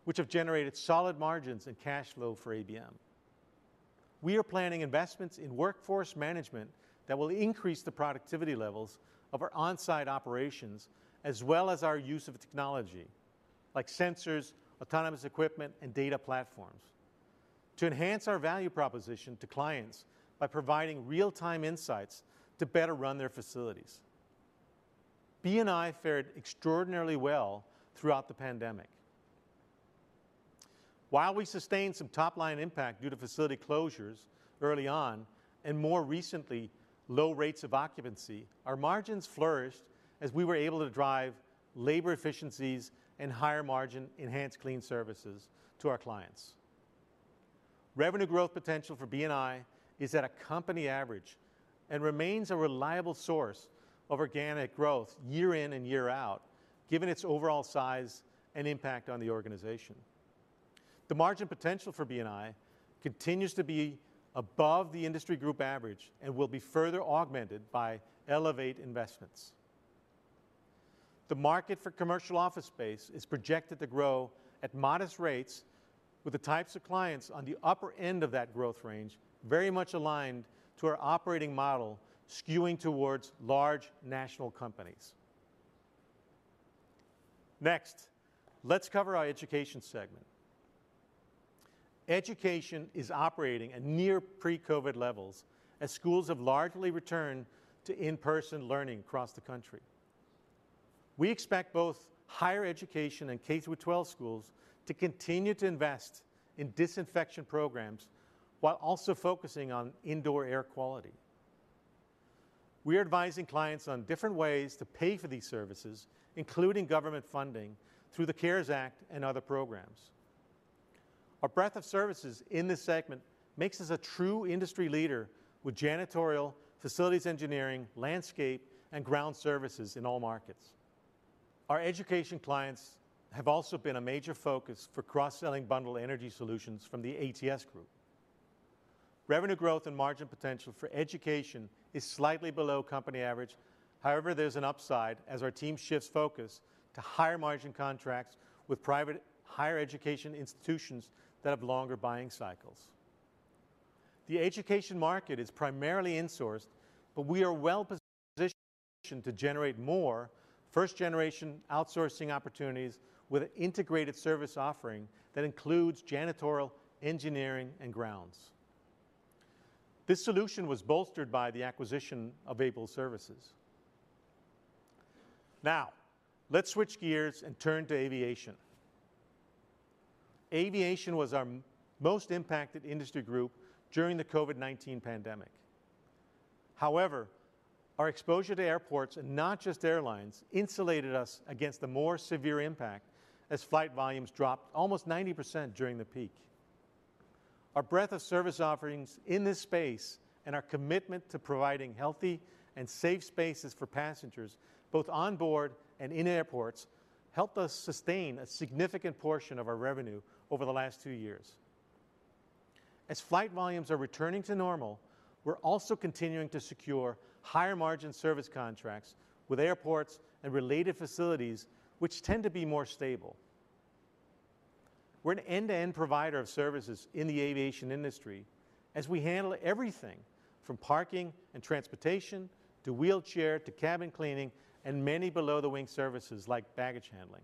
[SPEAKER 6] which have generated solid margins and cash flow for ABM. We are planning investments in workforce management that will increase the productivity levels of our on-site operations as well as our use of technology like sensors, autonomous equipment, and data platforms to enhance our value proposition to clients by providing real-time insights to better run their facilities. B&I fared extraordinarily well throughout the pandemic. While we sustained some top-line impact due to facility closures early on and more recently, low rates of occupancy, our margins flourished as we were able to drive labor efficiencies and higher margin EnhancedClean services to our clients. Revenue growth potential for B&I is at a company average and remains a reliable source of organic growth year in and year out, given its overall size and impact on the organization. The margin potential for B&I continues to be above the industry group average and will be further augmented by ELEVATE investments. The market for commercial office space is projected to grow at modest rates with the types of clients on the upper end of that growth range very much aligned to our operating model skewing towards large national companies. Next, let's cover our education segment. Education is operating at near pre-COVID levels as schools have largely returned to in-person learning across the country. We expect both higher education and K through 12 schools to continue to invest in disinfection programs while also focusing on indoor air quality. We are advising clients on different ways to pay for these services, including government funding through the CARES Act and other programs. Our breadth of services in this segment makes us a true industry leader with janitorial, facilities engineering, landscape, and ground services in all markets. Our education clients have also been a major focus for cross-selling Bundled Energy Solutions from the ATS group. Revenue growth and margin potential for education is slightly below company average. However, there's an upside as our team shifts focus to higher margin contracts with private higher education institutions that have longer buying cycles. The education market is primarily insourced, but we are well-positioned to generate more first-generation outsourcing opportunities with an integrated service offering that includes janitorial, engineering, and grounds. This solution was bolstered by the acquisition of Able Services. Now, let's switch gears and turn to aviation. Aviation was our most impacted industry group during the COVID-19 pandemic. However, our exposure to airports and not just airlines insulated us against the more severe impact as flight volumes dropped almost 90% during the peak. Our breadth of service offerings in this space and our commitment to providing healthy and safe spaces for passengers both onboard and in airports helped us sustain a significant portion of our revenue over the last two years. As flight volumes are returning to normal, we're also continuing to secure higher margin service contracts with airports and related facilities which tend to be more stable. We're an end-to-end provider of services in the aviation industry as we handle everything from parking and transportation, to wheelchair, to cabin cleaning, and many below the wing services like baggage handling.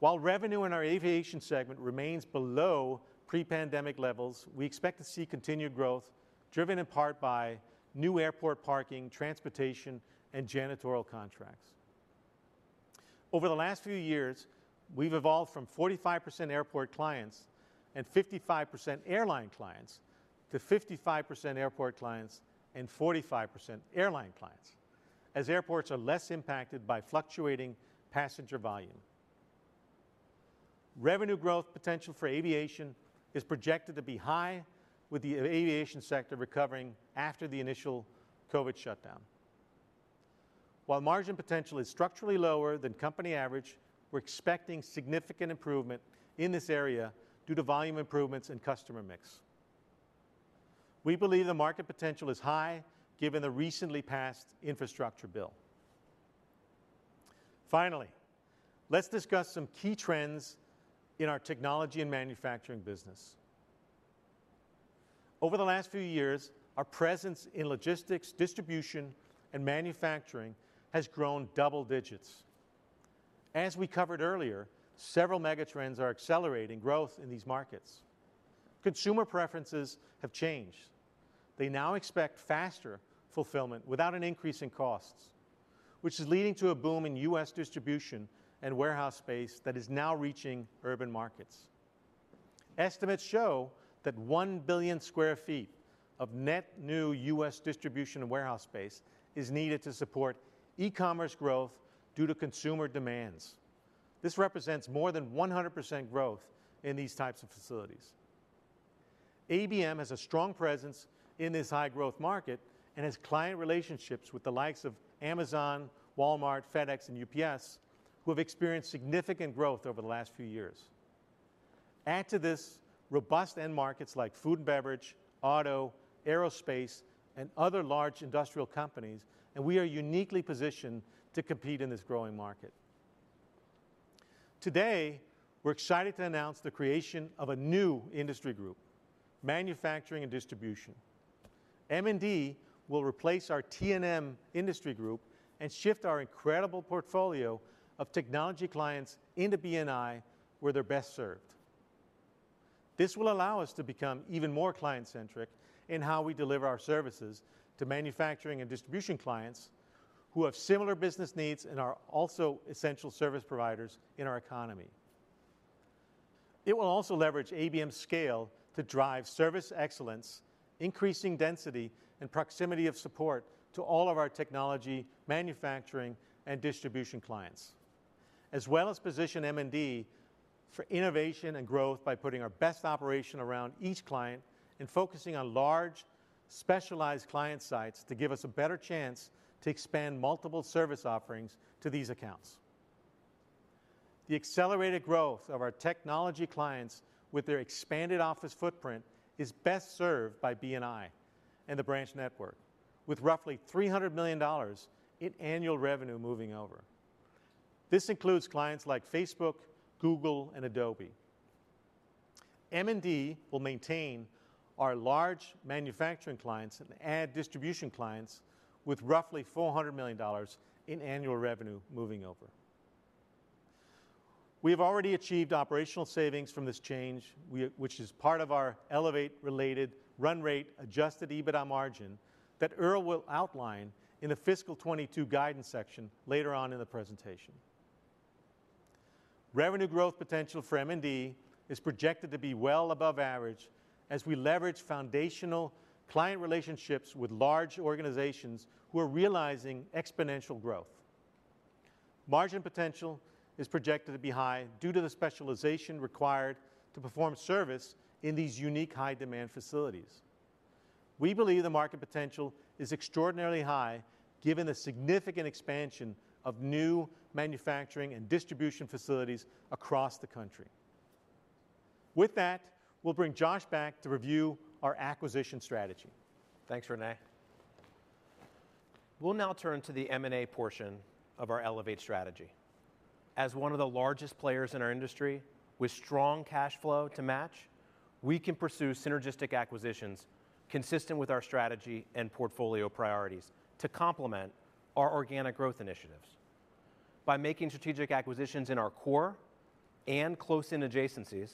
[SPEAKER 6] While revenue in our aviation segment remains below pre-pandemic levels, we expect to see continued growth driven in part by new airport parking, transportation, and janitorial contracts. Over the last few years, we've evolved from 45% airport clients and 55% airline clients to 55% airport clients and 45% airline clients, as airports are less impacted by fluctuating passenger volume. Revenue growth potential for aviation is projected to be high with the aviation sector recovering after the initial COVID shutdown. While margin potential is structurally lower than company average, we're expecting significant improvement in this area due to volume improvements and customer mix. We believe the market potential is high given the recently passed infrastructure bill. Finally, let's discuss some key trends in our technology and manufacturing business. Over the last few years, our presence in logistics, distribution, and manufacturing has grown double digits. As we covered earlier, several mega trends are accelerating growth in these markets. Consumer preferences have changed. They now expect faster fulfillment without an increase in costs, which is leading to a boom in U.S. distribution and warehouse space that is now reaching urban markets. Estimates show that 1 billion sq ft of net new U.S. distribution and warehouse space is needed to support e-commerce growth due to consumer demands. This represents more than 100% growth in these types of facilities. ABM has a strong presence in this high growth market and has client relationships with the likes of Amazon, Walmart, FedEx, and UPS, who have experienced significant growth over the last few years. Add to this robust end markets like food and beverage, auto, aerospace, and other large industrial companies, and we are uniquely positioned to compete in this growing market. Today, we're excited to announce the creation of a new industry group, Manufacturing & Distribution. M&D will replace our T&M industry group and shift our incredible portfolio of technology clients into B&I, where they're best served. This will allow us to become even more client-centric in how we deliver our services to manufacturing and distribution clients who have similar business needs and are also essential service providers in our economy. It will also leverage ABM's scale to drive service excellence, increasing density and proximity of support to all of our technology, manufacturing, and distribution clients as well as position M&D for innovation and growth by putting our best operation around each client and focusing on large, specialized client sites to give us a better chance to expand multiple service offerings to these accounts. The accelerated growth of our technology clients with their expanded office footprint is best served by B&I and the branch network, with roughly $300 million in annual revenue moving over. This includes clients like Facebook, Google, and Adobe. M&D will maintain our large manufacturing clients and add distribution clients with roughly $400 million in annual revenue moving over. We have already achieved operational savings from this change which is part of our ELEVATE related run rate adjusted EBITDA margin that Earl will outline in the fiscal 2022 guidance section later on in the presentation. Revenue growth potential for M&D is projected to be well above average as we leverage foundational client relationships with large organizations who are realizing exponential growth. Margin potential is projected to be high due to the specialization required to perform service in these unique high demand facilities. We believe the market potential is extraordinarily high given the significant expansion of new manufacturing and distribution facilities across the country. With that, we'll bring Josh back to review our acquisition strategy.
[SPEAKER 5] Thanks, Rene. We'll now turn to the M&A portion of our ELEVATE strategy. As one of the largest players in our industry with strong cash flow to match, we can pursue synergistic acquisitions consistent with our strategy and portfolio priorities to complement our organic growth initiatives. By making strategic acquisitions in our core and close in adjacencies,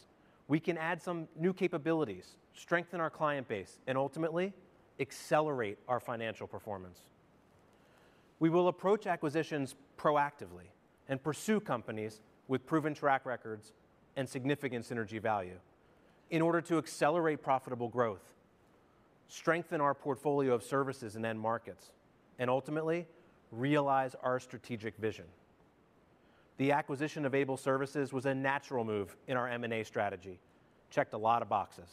[SPEAKER 5] we can add some new capabilities, strengthen our client base, and ultimately accelerate our financial performance. We will approach acquisitions proactively and pursue companies with proven track records and significant synergy value in order to accelerate profitable growth. Strengthen our portfolio of services and end markets and ultimately realize our strategic vision. The acquisition of Able Services was a natural move in our M&A strategy. Checked a lot of boxes.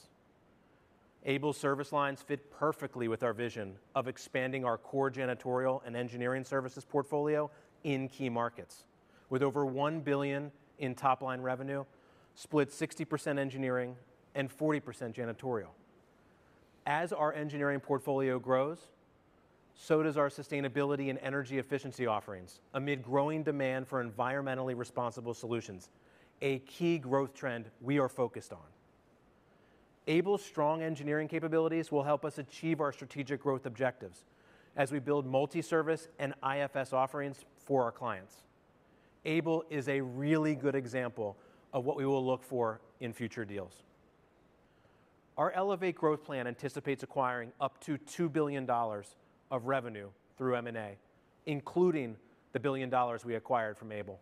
[SPEAKER 5] Able Services service lines fit perfectly with our vision of expanding our core janitorial and engineering services portfolio in key markets. With over $1 billion in top-line revenue, split 60% engineering and 40% janitorial. As our engineering portfolio grows, so does our sustainability and energy efficiency offerings amid growing demand for environmentally responsible solutions, a key growth trend we are focused on. Able's strong engineering capabilities will help us achieve our strategic growth objectives as we build multi-service and IFS offerings for our clients. Able is a really good example of what we will look for in future deals. Our ELEVATE growth plan anticipates acquiring up to $2 billion of revenue through M&A, including the $1 billion we acquired from Able,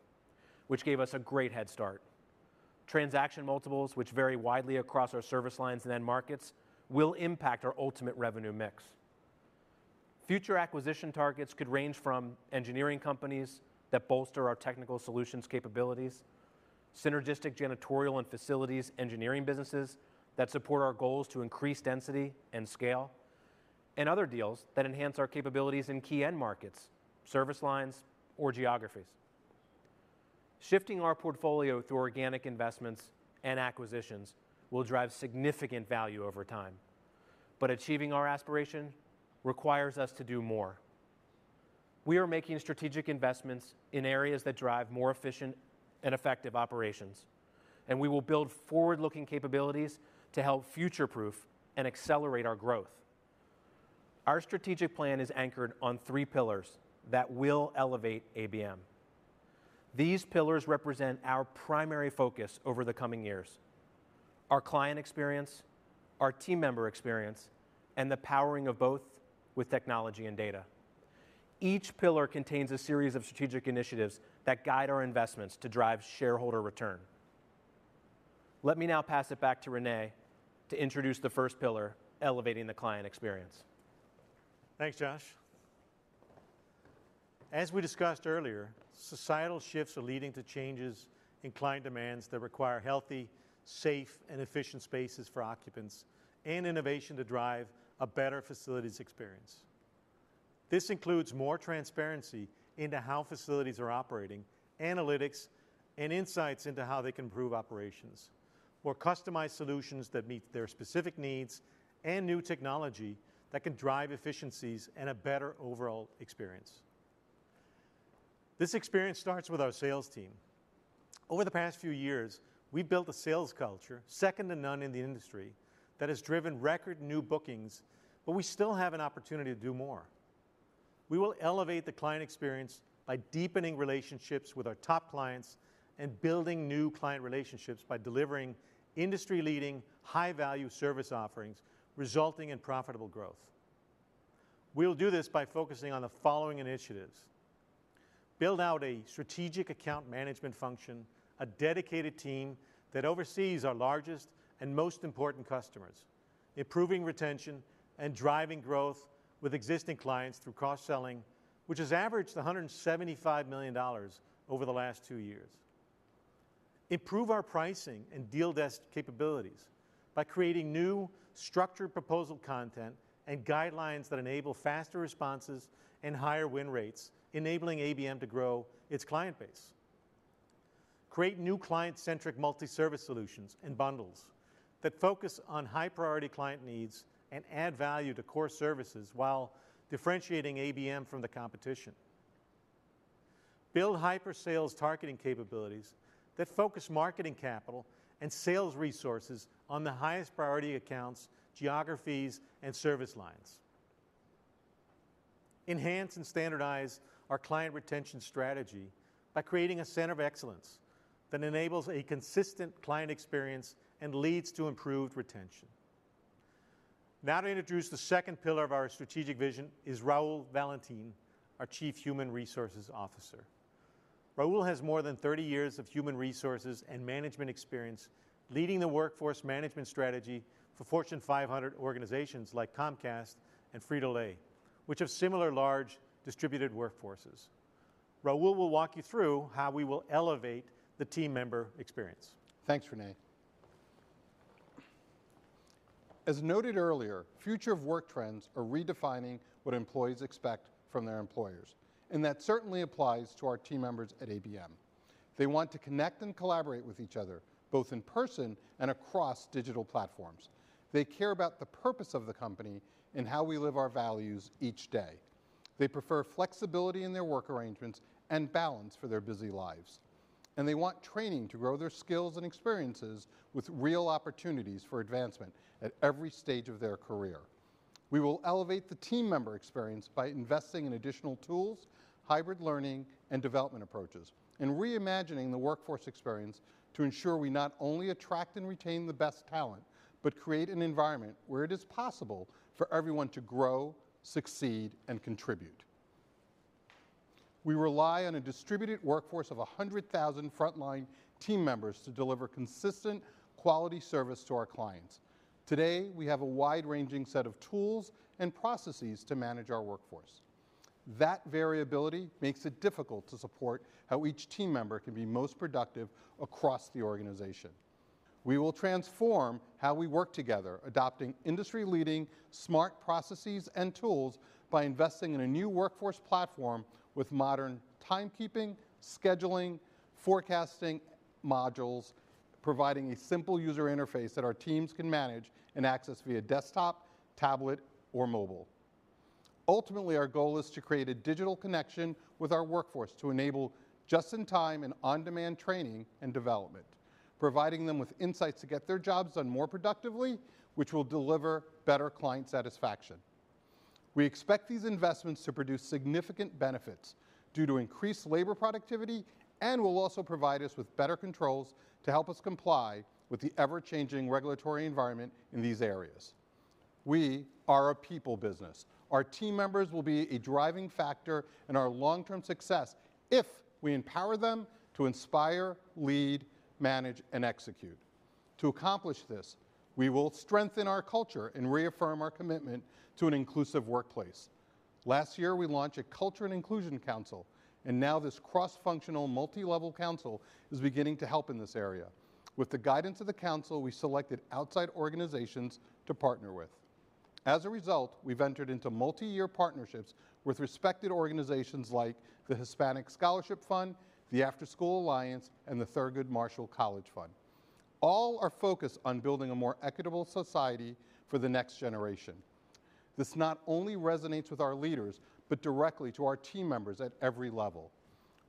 [SPEAKER 5] which gave us a great head start. Transaction multiples, which vary widely across our service lines and end markets, will impact our ultimate revenue mix. Future acquisition targets could range from engineering companies that bolster our technical solutions capabilities, synergistic janitorial and facilities engineering businesses that support our goals to increase density and scale, and other deals that enhance our capabilities in key end markets, service lines, or geographies. Shifting our portfolio through organic investments and acquisitions will drive significant value over time, but achieving our aspiration requires us to do more. We are making strategic investments in areas that drive more efficient and effective operations, and we will build forward-looking capabilities to help future-proof and accelerate our growth. Our strategic plan is anchored on three pillars that will elevate ABM. These pillars represent our primary focus over the coming years, our client experience, our team member experience, and the powering of both with technology and data. Each pillar contains a series of strategic initiatives that guide our investments to drive shareholder return. Let me now pass it back to Rene to introduce the first pillar, elevating the client experience.
[SPEAKER 6] Thanks, Josh. As we discussed earlier, societal shifts are leading to changes in client demands that require healthy, safe, and efficient spaces for occupants and innovation to drive a better facilities experience. This includes more transparency into how facilities are operating, analytics, and insights into how they can improve operations or customize solutions that meet their specific needs, and new technology that can drive efficiencies and a better overall experience. This experience starts with our sales team. Over the past few years, we built a sales culture second to none in the industry that has driven record new bookings, but we still have an opportunity to do more. We will elevate the client experience by deepening relationships with our top clients and building new client relationships by delivering industry-leading high-value service offerings resulting in profitable growth. We'll do this by focusing on the following initiatives. Build out a strategic account management function, a dedicated team that oversees our largest and most important customers, improving retention and driving growth with existing clients through cross-selling, which has averaged $175 million over the last two years. Improve our pricing and deal desk capabilities by creating new structured proposal content and guidelines that enable faster responses and higher win rates, enabling ABM to grow its client base. Create new client-centric multi-service solutions and bundles that focus on high-priority client needs and add value to core services while differentiating ABM from the competition. Build hyper sales targeting capabilities that focus marketing capital and sales resources on the highest priority accounts, geographies, and service lines. Enhance and standardize our client retention strategy by creating a center of excellence that enables a consistent client experience and leads to improved retention. Now to introduce the second pillar of our strategic vision is Raúl Valentín, our Chief Human Resources Officer. Raúl has more than 30 years of human resources and management experience leading the workforce management strategy for Fortune 500 organizations like Comcast and Frito-Lay, which have similar large distributed workforces. Raúl will walk you through how we will elevate the team member experience.
[SPEAKER 7] Thanks, Rene. As noted earlier, future of work trends are redefining what employees expect from their employers, and that certainly applies to our team members at ABM. They want to connect and collaborate with each other, both in person and across digital platforms. They care about the purpose of the company and how we live our values each day. They prefer flexibility in their work arrangements and balance for their busy lives. They want training to grow their skills and experiences with real opportunities for advancement at every stage of their career. We will elevate the team member experience by investing in additional tools, hybrid learning and development approaches, and reimagining the workforce experience to ensure we not only attract and retain the best talent, but create an environment where it is possible for everyone to grow, succeed, and contribute. We rely on a distributed workforce of 100,000 frontline team members to deliver consistent quality service to our clients. Today, we have a wide-ranging set of tools and processes to manage our workforce. That variability makes it difficult to support how each team member can be most productive across the organization. We will transform how we work together, adopting industry-leading smart processes and tools by investing in a new workforce platform with modern timekeeping, scheduling, forecasting modules, providing a simple user interface that our teams can manage and access via desktop, tablet, or mobile. Ultimately, our goal is to create a digital connection with our workforce to enable just-in-time and on-demand training and development, providing them with insights to get their jobs done more productively, which will deliver better client satisfaction. We expect these investments to produce significant benefits due to increased labor productivity and will also provide us with better controls to help us comply with the ever-changing regulatory environment in these areas. We are a people business. Our team members will be a driving factor in our long-term success if we empower them to inspire, lead, manage, and execute. To accomplish this, we will strengthen our culture and reaffirm our commitment to an inclusive workplace. Last year, we launched a culture and inclusion council, and now this cross-functional multi-level council is beginning to help in this area. With the guidance of the council, we selected outside organizations to partner with. As a result, we've entered into multi-year partnerships with respected organizations like the Hispanic Scholarship Fund, the Afterschool Alliance, and the Thurgood Marshall College Fund. All are focused on building a more equitable society for the next generation. This not only resonates with our leaders but directly to our team members at every level.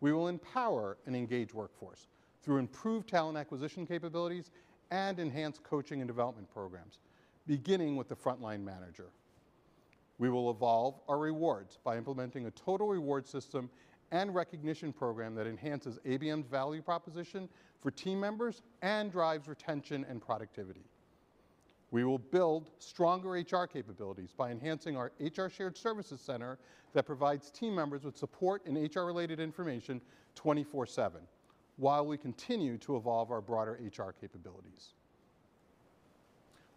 [SPEAKER 7] We will empower an engaged workforce through improved talent acquisition capabilities and enhanced coaching and development programs, beginning with the frontline manager. We will evolve our rewards by implementing a total reward system and recognition program that enhances ABM's value proposition for team members and drives retention and productivity. We will build stronger HR capabilities by enhancing our HR shared services center that provides team members with support and HR-related information 24/7 while we continue to evolve our broader HR capabilities.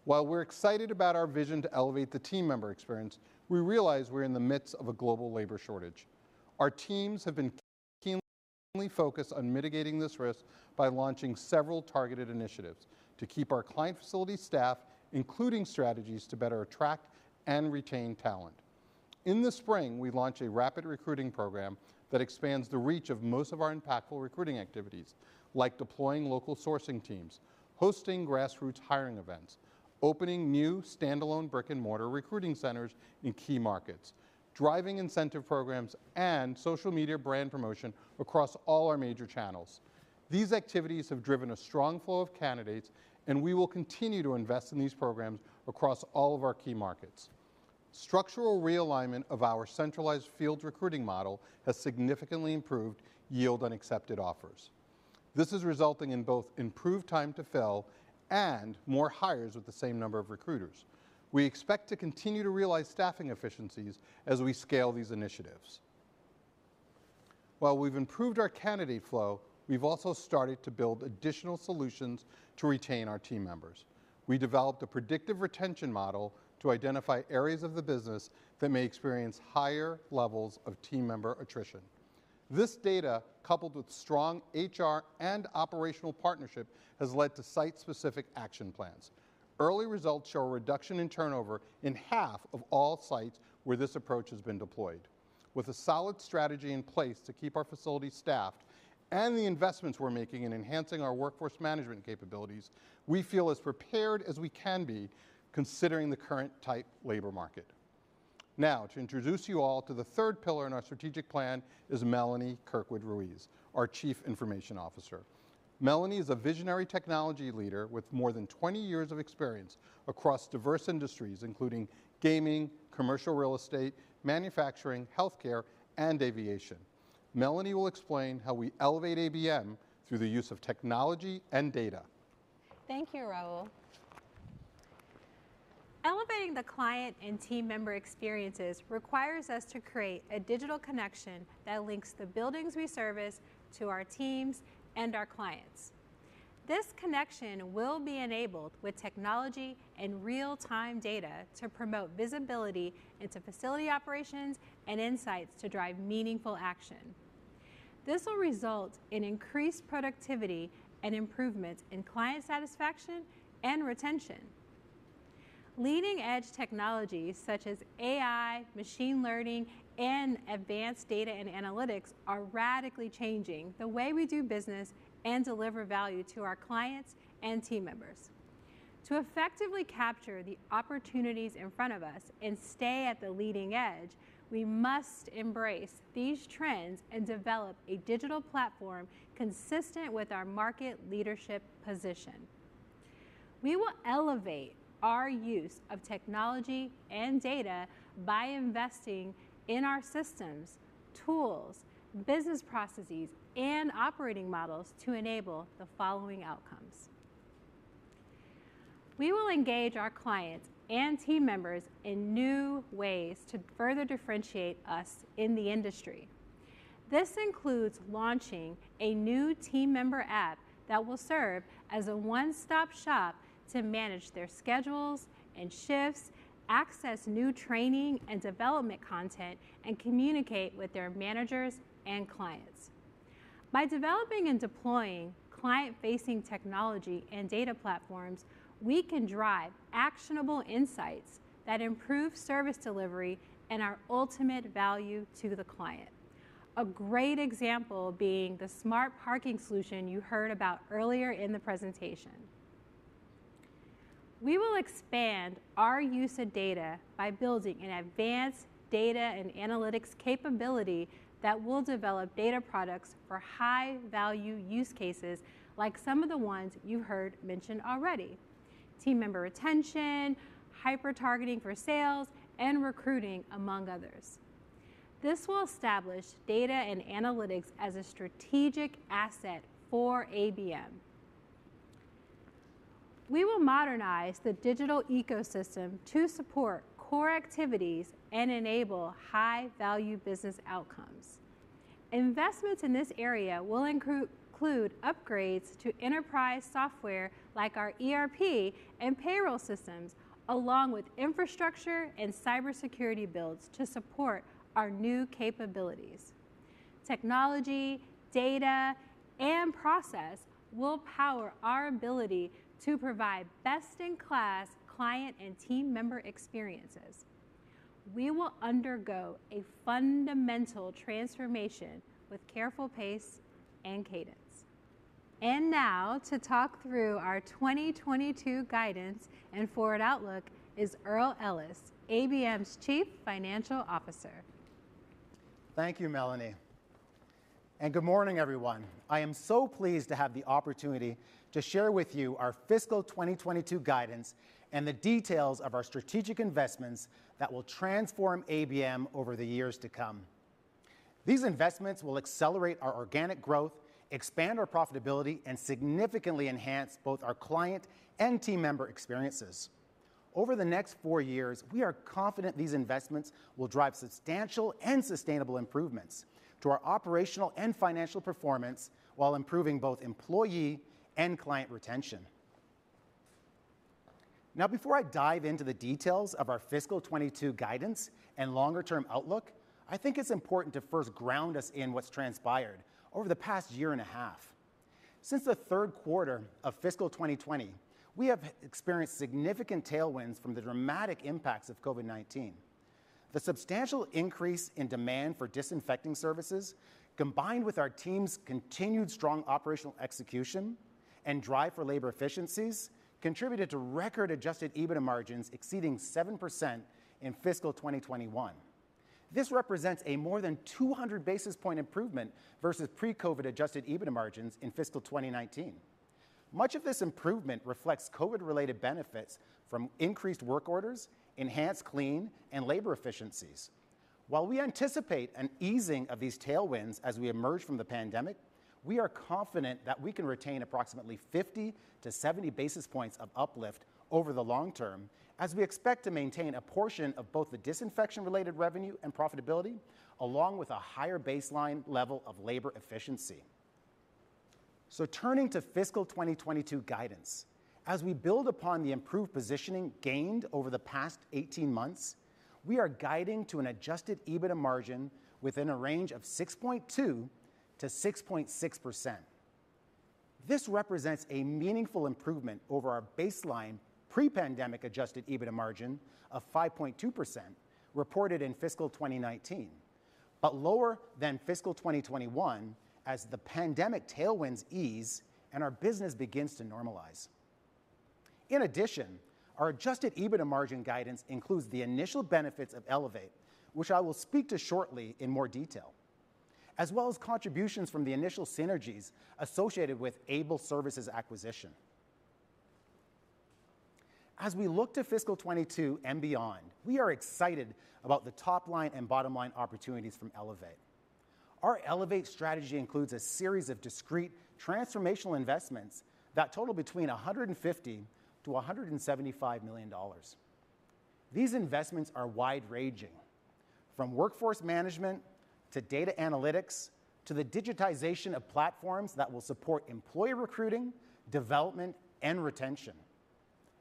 [SPEAKER 7] While we're excited about our vision to elevate the team member experience, we realize we're in the midst of a global labor shortage. Our teams have been keenly focused on mitigating this risk by launching several targeted initiatives to keep our client facility staffed, including strategies to better attract and retain talent. In the spring, we launched a rapid recruiting program that expands the reach of most of our impactful recruiting activities, like deploying local sourcing teams, hosting grassroots hiring events, opening new standalone brick-and-mortar recruiting centers in key markets, driving incentive programs, and social media brand promotion across all our major channels. These activities have driven a strong flow of candidates, and we will continue to invest in these programs across all of our key markets. Structural realignment of our centralized field recruiting model has significantly improved yield on accepted offers. This is resulting in both improved time to fill and more hires with the same number of recruiters. We expect to continue to realize staffing efficiencies as we scale these initiatives. While we've improved our candidate flow, we've also started to build additional solutions to retain our team members. We developed a predictive retention model to identify areas of the business that may experience higher levels of team member attrition. This data, coupled with strong HR and operational partnership, has led to site-specific action plans. Early results show a reduction in turnover in half of all sites where this approach has been deployed. With a solid strategy in place to keep our facilities staffed and the investments we're making in enhancing our workforce management capabilities, we feel as prepared as we can be considering the current tight labor market. Now, to introduce you all to the third pillar in our strategic plan is Melanie Kirkwood Ruiz, our Chief Information Officer. Melanie is a visionary technology leader with more than 20 years of experience across diverse industries, including gaming, commercial real estate, manufacturing, healthcare, and aviation. Melanie will explain how we elevate ABM through the use of technology and data.
[SPEAKER 8] Thank you, Raúl. Elevating the client and team member experiences requires us to create a digital connection that links the buildings we service to our teams and our clients. This connection will be enabled with technology and real-time data to promote visibility into facility operations and insights to drive meaningful action. This will result in increased productivity and improvement in client satisfaction and retention. Leading-edge technologies such as AI, machine learning, and advanced data and analytics are radically changing the way we do business and deliver value to our clients and team members. To effectively capture the opportunities in front of us and stay at the leading edge, we must embrace these trends and develop a digital platform consistent with our market leadership position. We will elevate our use of technology and data by investing in our systems, tools, business processes, and operating models to enable the following outcomes. We will engage our clients and team members in new ways to further differentiate us in the industry. This includes launching a new team member app that will serve as a one-stop shop to manage their schedules and shifts, access new training and development content, and communicate with their managers and clients. By developing and deploying client-facing technology and data platforms, we can drive actionable insights that improve service delivery and our ultimate value to the client, a great example being the smart parking solution you heard about earlier in the presentation. We will expand our use of data by building an advanced data and analytics capability that will develop data products for high-value use cases like some of the ones you heard mentioned already, team member retention, hyper-targeting for sales, and recruiting, among others. This will establish data and analytics as a strategic asset for ABM. We will modernize the digital ecosystem to support core activities and enable high-value business outcomes. Investments in this area will include upgrades to enterprise software like our ERP and payroll systems, along with infrastructure and cybersecurity builds to support our new capabilities. Technology, data, and process will power our ability to provide best-in-class client and team member experiences. We will undergo a fundamental transformation with careful pace and cadence. Now to talk through our 2022 guidance and forward outlook is Earl Ellis, ABM's Chief Financial Officer.
[SPEAKER 3] Thank you, Melanie. Good morning, everyone. I am so pleased to have the opportunity to share with you our fiscal 2022 guidance and the details of our strategic investments that will transform ABM over the years to come. These investments will accelerate our organic growth, expand our profitability, and significantly enhance both our client and team member experiences. Over the next four years, we are confident these investments will drive substantial and sustainable improvements to our operational and financial performance while improving both employee and client retention. Now, before I dive into the details of our fiscal 2022 guidance and longer-term outlook, I think it's important to first ground us in what's transpired over the past year and a half. Since the third quarter of fiscal 2020, we have experienced significant tailwinds from the dramatic impacts of COVID-19. The substantial increase in demand for disinfecting services, combined with our team's continued strong operational execution and drive for labor efficiencies, contributed to record adjusted EBITDA margins exceeding 7% in fiscal 2021. This represents a more than 200 basis point improvement versus pre-COVID adjusted EBITDA margins in fiscal 2019. Much of this improvement reflects COVID-related benefits from increased work orders, enhanced clean and labor efficiencies. While we anticipate an easing of these tailwinds as we emerge from the pandemic, we are confident that we can retain approximately 50-70 basis points of uplift over the long term as we expect to maintain a portion of both the disinfection-related revenue and profitability, along with a higher baseline level of labor efficiency. Turning to fiscal 2022 guidance. As we build upon the improved positioning gained over the past 18 months, we are guiding to an adjusted EBITDA margin within a range of 6.2%-6.6%. This represents a meaningful improvement over our baseline pre-pandemic adjusted EBITDA margin of 5.2% reported in fiscal 2019, but lower than fiscal 2021 as the pandemic tailwinds ease and our business begins to normalize. In addition, our adjusted EBITDA margin guidance includes the initial benefits of ELEVATE, which I will speak to shortly in more detail, as well as contributions from the initial synergies associated with Able Services acquisition. As we look to fiscal 2022 and beyond, we are excited about the top-line and bottom-line opportunities from ELEVATE. Our ELEVATE strategy includes a series of discrete transformational investments that total between $150 million-$175 million. These investments are wide-ranging, from workforce management to data analytics to the digitization of platforms that will support employee recruiting, development, and retention.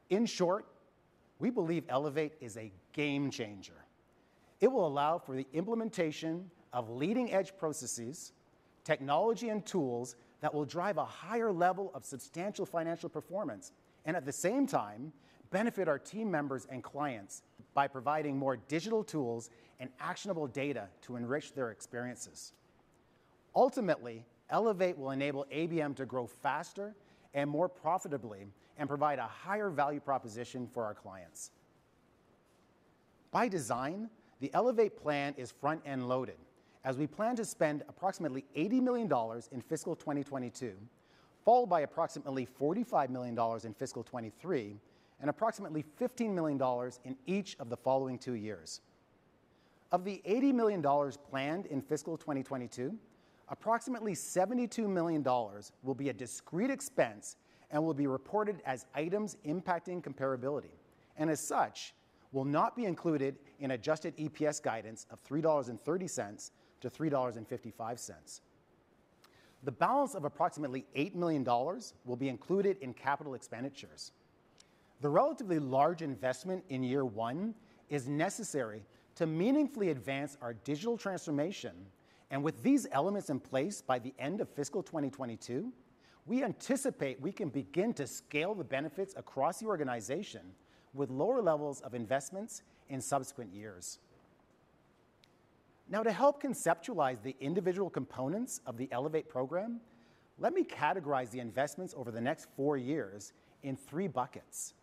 [SPEAKER 3] In short, we believe ELEVATE is a game changer. It will allow for the implementation of leading-edge processes, technology, and tools that will drive a higher level of substantial financial performance and at the same time benefit our team members and clients by providing more digital tools and actionable data to enrich their experiences. Ultimately, ELEVATE will enable ABM to grow faster and more profitably and provide a higher value proposition for our clients. By design, the ELEVATE plan is front-end loaded as we plan to spend approximately $80 million in fiscal 2022, followed by approximately $45 million in fiscal 2023, and approximately $15 million in each of the following two years. Of the $80 million planned in fiscal 2022, approximately $72 million will be a discrete expense and will be reported as items impacting comparability. As such, will not be included in adjusted EPS guidance of $3.30-$3.55. The balance of approximately $8 million will be included in capital expenditures. The relatively large investment in year one is necessary to meaningfully advance our digital transformation. With these elements in place by the end of fiscal 2022, we anticipate we can begin to scale the benefits across the organization with lower levels of investments in subsequent years. Now, to help conceptualize the individual components of the ELEVATE program, let me categorize the investments over the next 4 years in 3 buckets,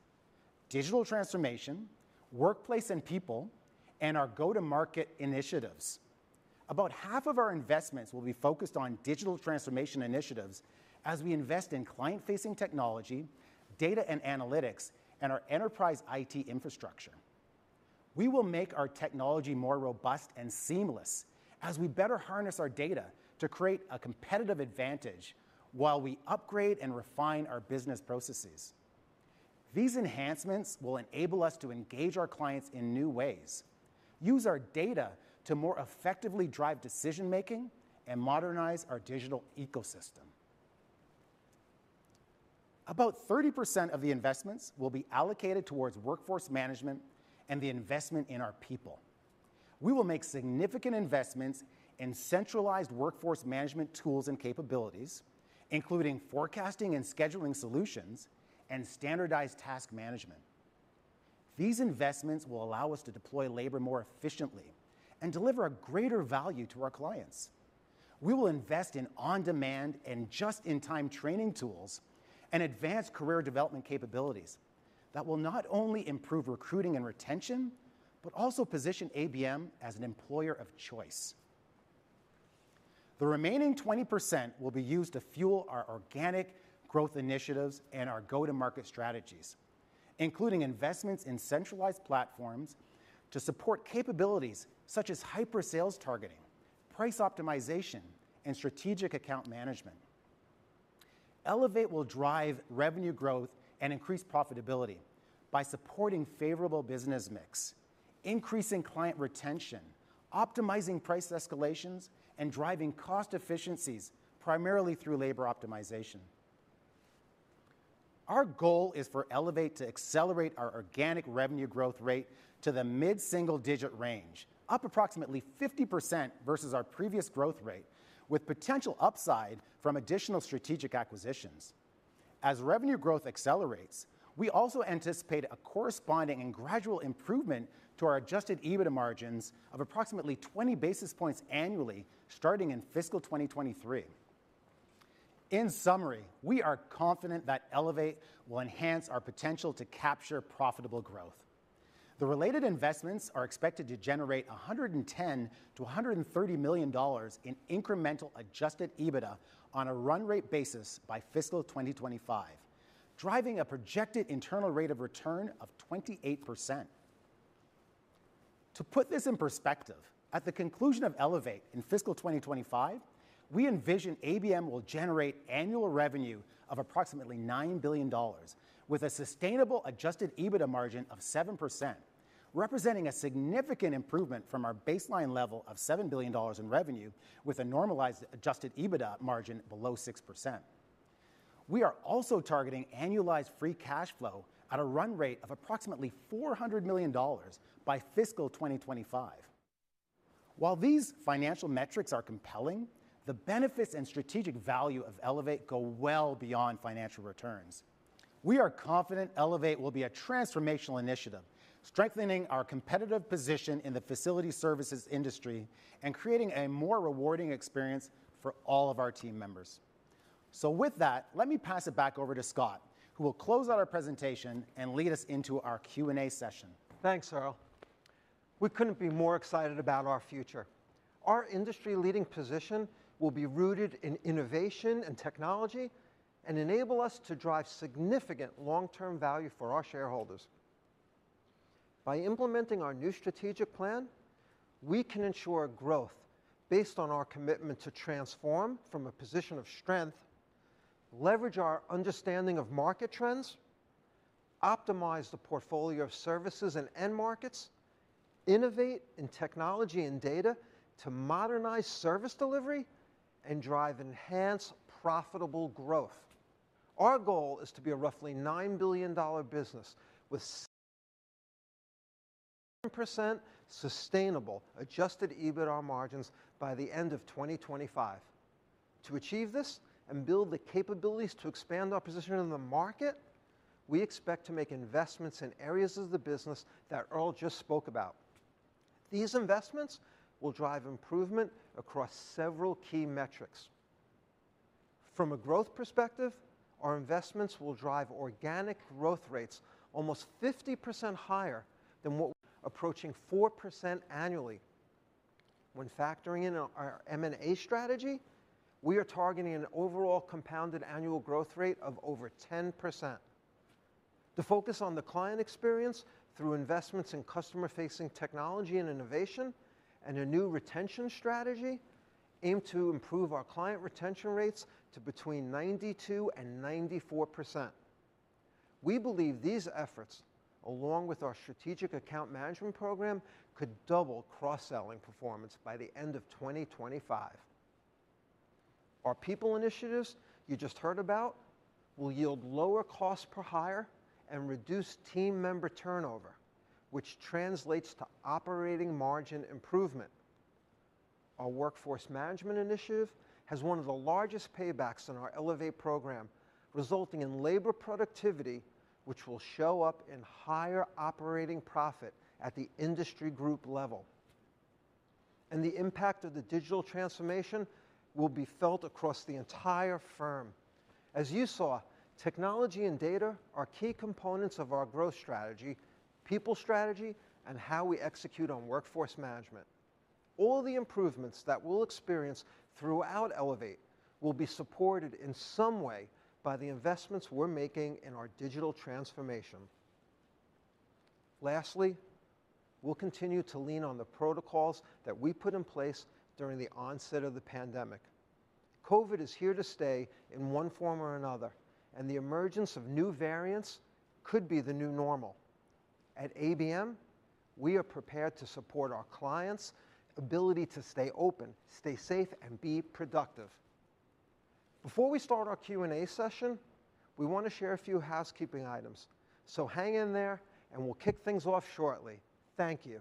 [SPEAKER 3] digital transformation, workplace and people, and our go-to-market initiatives. About half of our investments will be focused on digital transformation initiatives as we invest in client-facing technology, data and analytics, and our enterprise IT infrastructure. We will make our technology more robust and seamless as we better harness our data to create a competitive advantage while we upgrade and refine our business processes. These enhancements will enable us to engage our clients in new ways, use our data to more effectively drive decision-making, and modernize our digital ecosystem. About 30% of the investments will be allocated towards workforce management and the investment in our people. We will make significant investments in centralized workforce management tools and capabilities, including forecasting and scheduling solutions and standardized task management. These investments will allow us to deploy labor more efficiently and deliver a greater value to our clients. We will invest in on-demand and just-in-time training tools and advanced career development capabilities that will not only improve recruiting and retention, but also position ABM as an employer of choice. The remaining 20% will be used to fuel our organic growth initiatives and our go-to-market strategies, including investments in centralized platforms to support capabilities such as hyper sales targeting, price optimization, and strategic account management. ELEVATE will drive revenue growth and increase profitability by supporting favorable business mix, increasing client retention, optimizing price escalations, and driving cost efficiencies primarily through labor optimization. Our goal is for ELEVATE to accelerate our organic revenue growth rate to the mid-single digit range, up approximately 50% versus our previous growth rate, with potential upside from additional strategic acquisitions. As revenue growth accelerates, we also anticipate a corresponding and gradual improvement to our adjusted EBITDA margins of approximately 20 basis points annually starting in fiscal 2023. In summary, we are confident that ELEVATE will enhance our potential to capture profitable growth. The related investments are expected to generate $110 million-$130 million in incremental adjusted EBITDA on a run rate basis by fiscal 2025, driving a projected internal rate of return of 28%. To put this in perspective, at the conclusion of ELEVATE in fiscal 2025, we envision ABM will generate annual revenue of approximately $9 billion with a sustainable adjusted EBITDA margin of 7%, representing a significant improvement from our baseline level of $7 billion in revenue with a normalized adjusted EBITDA margin below 6%. We are also targeting annualized free cash flow at a run rate of approximately $400 million by fiscal 2025. While these financial metrics are compelling, the benefits and strategic value of ELEVATE go well beyond financial returns. We are confident ELEVATE will be a transformational initiative, strengthening our competitive position in the facility services industry and creating a more rewarding experience for all of our team members. With that, let me pass it back over to Scott, who will close out our presentation and lead us into our Q&A session.
[SPEAKER 2] Thanks, Earl. We couldn't be more excited about our future. Our industry leading position will be rooted in innovation and technology and enable us to drive significant long-term value for our shareholders. By implementing our new strategic plan, we can ensure growth based on our commitment to transform from a position of strength, leverage our understanding of market trends, optimize the portfolio of services and end markets, innovate in technology and data to modernize service delivery, and drive enhanced profitable growth. Our goal is to be a roughly $9 billion business with 9% sustainable adjusted EBITDA margins by the end of 2025. To achieve this and build the capabilities to expand our position in the market, we expect to make investments in areas of the business that Earl just spoke about. These investments will drive improvement across several key metrics. From a growth perspective, our investments will drive organic growth rates almost 50% higher than what, approaching 4% annually. When factoring in our M&A strategy, we are targeting an overall compounded annual growth rate of over 10%. The focus on the client experience through investments in customer-facing technology and innovation and a new retention strategy aim to improve our client retention rates to between 92% and 94%. We believe these efforts, along with our strategic account management program, could double cross-selling performance by the end of 2025. Our people initiatives you just heard about will yield lower cost per hire and reduce team member turnover, which translates to operating margin improvement. Our workforce management initiative has one of the largest paybacks in our ELEVATE program, resulting in labor productivity, which will show up in higher operating profit at the industry group level. The impact of the digital transformation will be felt across the entire firm. As you saw, technology and data are key components of our growth strategy, people strategy, and how we execute on workforce management. All the improvements that we'll experience throughout ELEVATE will be supported in some way by the investments we're making in our digital transformation. Lastly, we'll continue to lean on the protocols that we put in place during the onset of the pandemic. COVID is here to stay in one form or another, and the emergence of new variants could be the new normal. At ABM, we are prepared to support our clients' ability to stay open, stay safe, and be productive. Before we start our Q&A session, we want to share a few housekeeping items. So hang in there and we'll kick things off shortly. Thank you.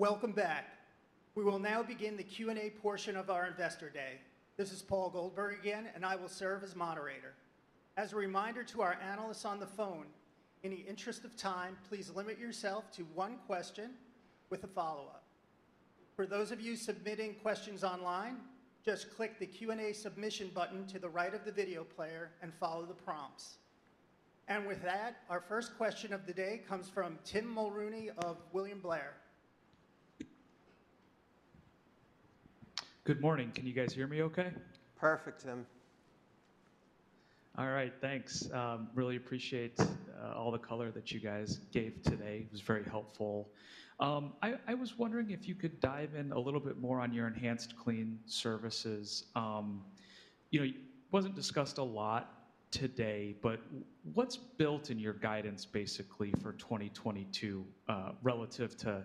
[SPEAKER 1] Welcome back. We will now begin the Q&A portion of our Investor Day. This is Paul Goldberg again, and I will serve as moderator. As a reminder to our analysts on the phone, in the interest of time, please limit yourself to one question with a follow-up. For those of you submitting questions online, just click the Q&A submission button to the right of the video player and follow the prompts. With that, our first question of the day comes from Tim Mulrooney of William Blair.
[SPEAKER 9] Good morning. Can you guys hear me okay?
[SPEAKER 2] Perfect, Tim.
[SPEAKER 9] All right, thanks. Really appreciate all the color that you guys gave today. It was very helpful. I was wondering if you could dive in a little bit more on your EnhancedClean services. You know, it wasn't discussed a lot today, but what's built in your guidance basically for 2022, relative to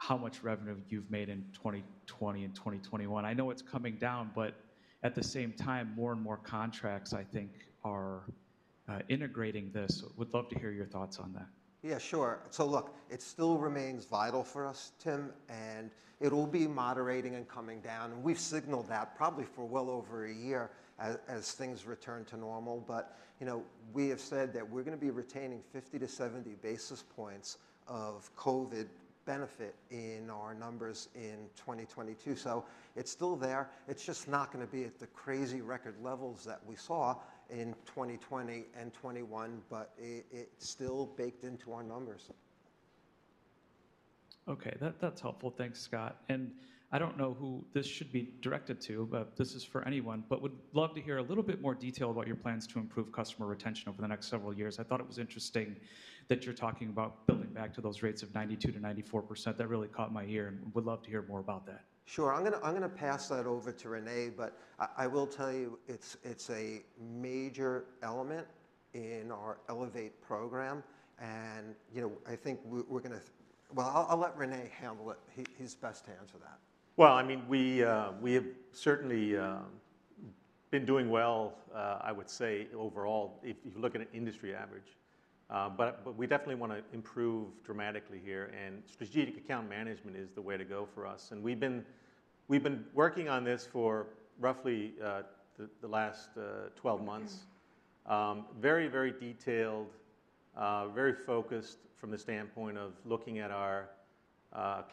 [SPEAKER 9] how much revenue you've made in 2020 and 2021? I know it's coming down, but at the same time, more and more contracts, I think, are integrating this. Would love to hear your thoughts on that.
[SPEAKER 2] Yeah, sure. Look, it still remains vital for us, Tim, and it'll be moderating and coming down, and we've signaled that probably for well over a year as things return to normal. You know, we have said that we're gonna be retaining 50-70 basis points of COVID benefit in our numbers in 2022. It's still there, it's just not gonna be at the crazy record levels that we saw in 2020 and 2021, but it's still baked into our numbers.
[SPEAKER 9] Okay. That's helpful. Thanks, Scott. I don't know who this should be directed to, but this is for anyone. Would love to hear a little bit more detail about your plans to improve customer retention over the next several years. I thought it was interesting that you're talking about building back to those rates of 92%-94%. That really caught my ear and would love to hear more about that.
[SPEAKER 2] Sure. I'm gonna pass that over to Rene, but I will tell you, it's a major element in our ELEVATE program and, you know, I'll let Rene handle it. He's best to answer that.
[SPEAKER 6] Well, I mean, we have certainly been doing well, I would say overall if you look at an industry average. We definitely wanna improve dramatically here, and strategic account management is the way to go for us. We've been working on this for roughly the last 12 months, very detailed, very focused from the standpoint of looking at our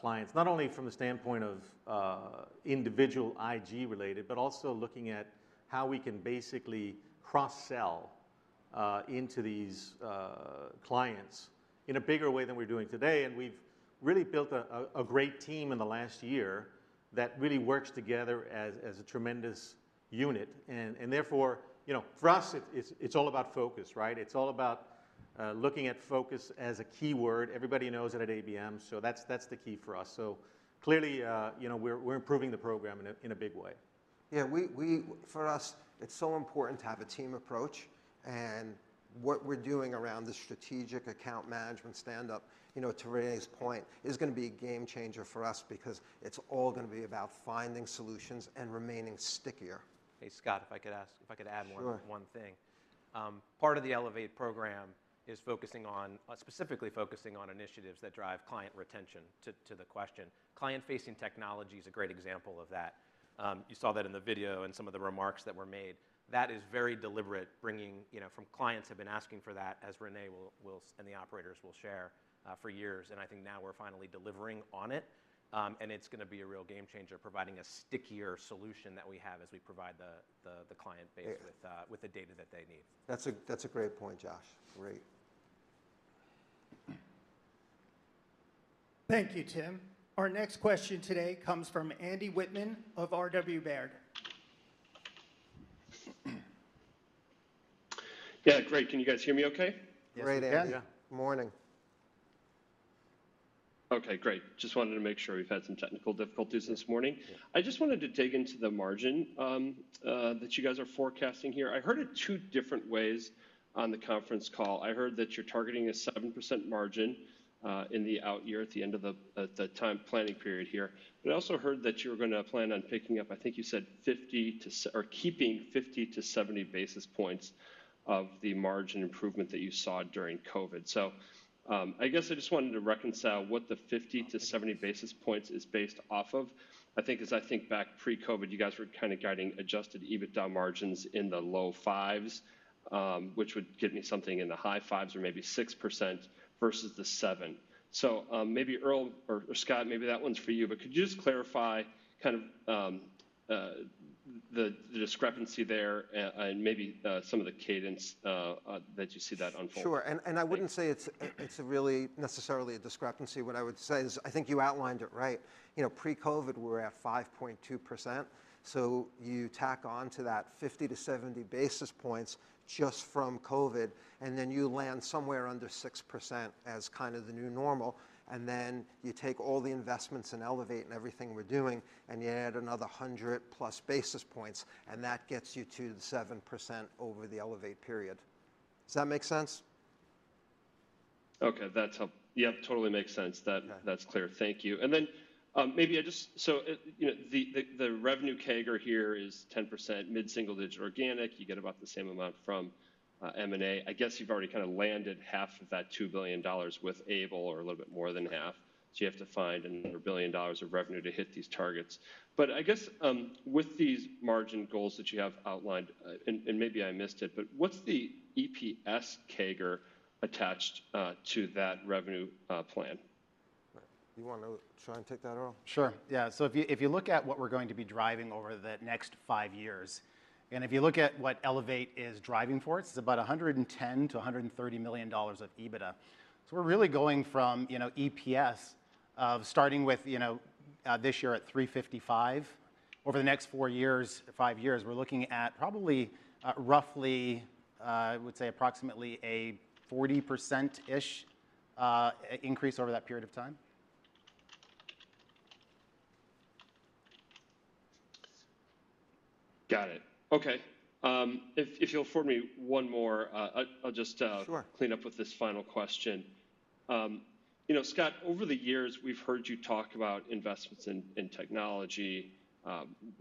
[SPEAKER 6] clients. Not only from the standpoint of individual IG related, but also looking at how we can basically cross-sell into these clients in a bigger way than we're doing today. We've really built a great team in the last year that really works together as a tremendous unit. Therefore, you know, for us, it's all about focus, right? It's all about looking at focus as a key word. Everybody knows it at ABM, so that's the key for us. Clearly, you know, we're improving the program in a big way.
[SPEAKER 2] Yeah. For us, it's so important to have a team approach, and what we're doing around the strategic account management standup, you know, to Rene's point, is gonna be a game changer for us because it's all gonna be about finding solutions and remaining stickier.
[SPEAKER 5] Hey, Scott, if I could add one.
[SPEAKER 2] Sure...
[SPEAKER 5] one thing. Part of the ELEVATE program is focusing on, specifically focusing on initiatives that drive client retention to the question. Client-facing technology is a great example of that. You saw that in the video and some of the remarks that were made. That is very deliberate, bringing, you know, clients have been asking for that, as Rene will and the operators will share, for years. I think now we're finally delivering on it, and it's gonna be a real game changer, providing a stickier solution that we have as we provide the client base with the data that they need.
[SPEAKER 2] That's a great point, Josh. Great.
[SPEAKER 1] Thank you, Tim. Our next question today comes from Andy Wittmann of Robert W. Baird & Co.
[SPEAKER 10] Yeah. Great. Can you guys hear me okay?
[SPEAKER 2] Great, Andy.
[SPEAKER 10] Yes. Yeah.
[SPEAKER 2] Morning.
[SPEAKER 10] Okay, great. Just wanted to make sure. We've had some technical difficulties this morning. I just wanted to dig into the margin that you guys are forecasting here. I heard it two different ways on the conference call. I heard that you're targeting a 7% margin in the out year at the end of the time planning period here. I also heard that you were gonna plan on picking up, I think you said, or keeping 50-70 basis points of the margin improvement that you saw during COVID. I guess I just wanted to reconcile what the 50-70 basis points is based off of. I think back pre-COVID, you guys were kind of guiding adjusted EBITDA margins in the low 5s, which would get me something in the high 5s or maybe 6% versus the 7%. Maybe Earl or Scott, maybe that one's for you, but could you just clarify kind of the discrepancy there and maybe some of the cadence that you see that unfolding?
[SPEAKER 2] Sure. I wouldn't say it's really necessarily a discrepancy. What I would say is, I think you outlined it right. You know, pre-COVID we're at 5.2%, so you tack on to that 50-70 basis points just from COVID, and then you land somewhere under 6% as kind of the new normal. Then you take all the investments in ELEVATE and everything we're doing, and you add another 100+ basis points, and that gets you to the 7% over the ELEVATE period. Does that make sense?
[SPEAKER 10] Yeah, it totally makes sense. That's clear. Thank you. You know, the revenue CAGR here is 10%, mid-single-digit organic. You get about the same amount from M&A. I guess you've already kind of landed half of that $2 billion with Able or a little bit more than half, so you have to find another $1 billion of revenue to hit these targets. I guess with these margin goals that you have outlined, and maybe I missed it, but what's the EPS CAGR attached to that revenue plan?
[SPEAKER 2] You wanna try and take that, Earl?
[SPEAKER 3] Sure. Yeah. If you look at what we're going to be driving over the next five years, and if you look at what ELEVATE is driving for us, it's about $110 million-$130 million of EBITDA. We're really going from, you know, EPS of starting with, you know, this year at $3.55. Over the next four years, five years, we're looking at probably, roughly, I would say approximately a 40%-ish increase over that period of time.
[SPEAKER 10] Got it. Okay. If you'll allow me one more, I'll just
[SPEAKER 3] Sure
[SPEAKER 10] Clean up with this final question. You know, Scott, over the years, we've heard you talk about investments in technology.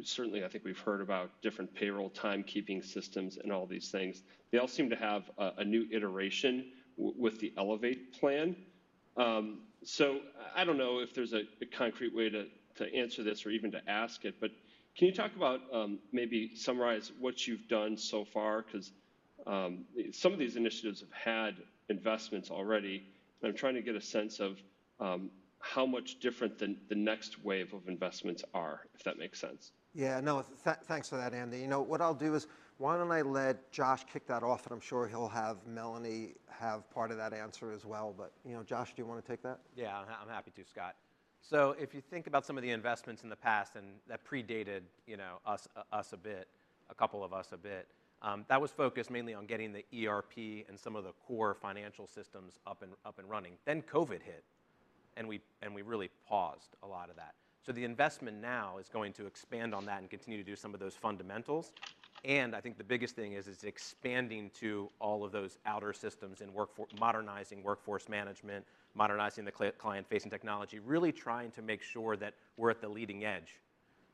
[SPEAKER 10] Certainly, I think we've heard about different payroll timekeeping systems and all these things. They all seem to have a new iteration with the ELEVATE plan. I don't know if there's a concrete way to answer this or even to ask it, but can you talk about maybe summarize what you've done so far? 'Cause, some of these initiatives have had investments already, and I'm trying to get a sense of how much different the next wave of investments are, if that makes sense.
[SPEAKER 2] Yeah, no. Thanks for that, Andy. You know what I'll do is, why don't I let Josh kick that off, and I'm sure he'll have Melanie have part of that answer as well. You know, Josh, do you wanna take that?
[SPEAKER 5] Yeah. I'm happy to, Scott. If you think about some of the investments in the past and that predated you know us a bit, that was focused mainly on getting the ERP and some of the core financial systems up and running. COVID hit, and we really paused a lot of that. The investment now is going to expand on that and continue to do some of those fundamentals, and I think the biggest thing is expanding to all of those outer systems and modernizing workforce management, modernizing the client-facing technology. Really trying to make sure that we're at the leading edge,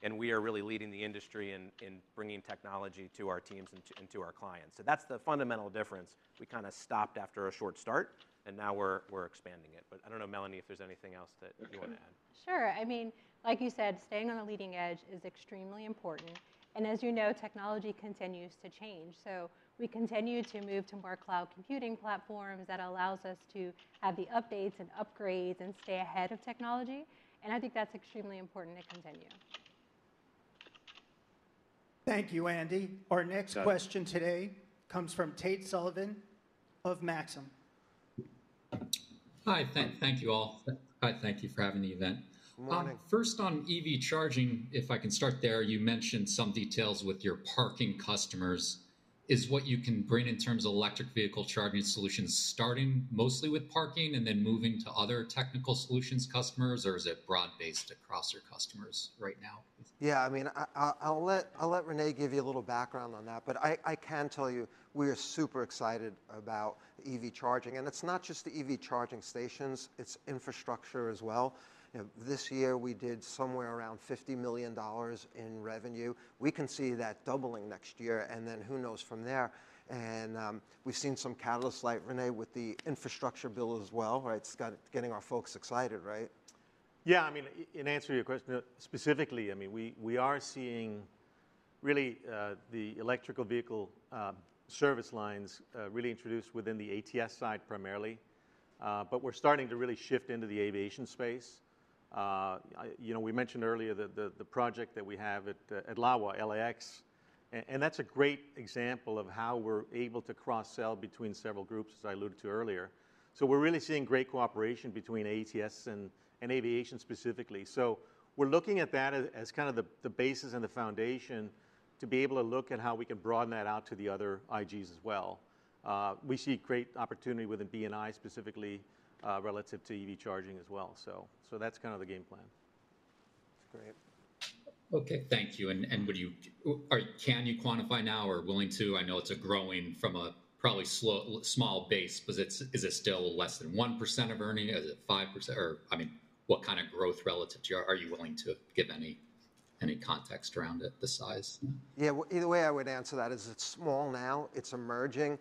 [SPEAKER 5] and we are really leading the industry in bringing technology to our teams and to our clients. That's the fundamental difference. We kinda stopped after a short start, and now we're expanding it. I don't know, Melanie, if there's anything else that you wanna add.
[SPEAKER 8] Okay. Sure. I mean, like you said, staying on the leading edge is extremely important, and as you know, technology continues to change. We continue to move to more cloud computing platforms that allows us to have the updates and upgrades and stay ahead of technology, and I think that's extremely important to continue.
[SPEAKER 1] Thank you, Andy.
[SPEAKER 10] Got it.
[SPEAKER 1] Our next question today comes from Tate Sullivan of Maxim.
[SPEAKER 11] Hi, thank you all. Hi, thank you for having the event.
[SPEAKER 2] Good morning.
[SPEAKER 11] First on EV charging, if I can start there, you mentioned some details with your parking customers. Is what you can bring in terms of electric vehicle charging solutions starting mostly with parking and then moving to other technical solutions customers, or is it broad-based across your customers right now?
[SPEAKER 2] Yeah, I mean, I'll let Rene give you a little background on that. I can tell you we are super excited about EV charging, and it's not just the EV charging stations, it's infrastructure as well. You know, this year we did somewhere around $50 million in revenue. We can see that doubling next year, and then who knows from there. We've seen some catalysts like Rene with the infrastructure bill as well, right? It's getting our folks excited, right?
[SPEAKER 6] Yeah. I mean, in answer to your question, specifically, I mean, we are seeing really the electric vehicle service lines really introduced within the ATS side primarily, but we're starting to really shift into the aviation space. You know, we mentioned earlier the project that we have at LAWA, LAX, and that's a great example of how we're able to cross-sell between several groups, as I alluded to earlier. We're really seeing great cooperation between ATS and aviation specifically. We're looking at that as kind of the basis and the foundation to be able to look at how we can broaden that out to the other IGs as well. We see great opportunity within B&I, specifically, relative to EV charging as well. That's kind of the game plan.
[SPEAKER 2] That's great.
[SPEAKER 11] Okay. Thank you. Can you quantify now, or are you willing to? I know it's growing from a probably slow, small base. Is it still less than 1% of earnings? Is it 5%? I mean, what kind of growth relative to yours. Are you willing to give any context around it, the size?
[SPEAKER 2] Well, either way, I would answer that it's small now, it's emerging,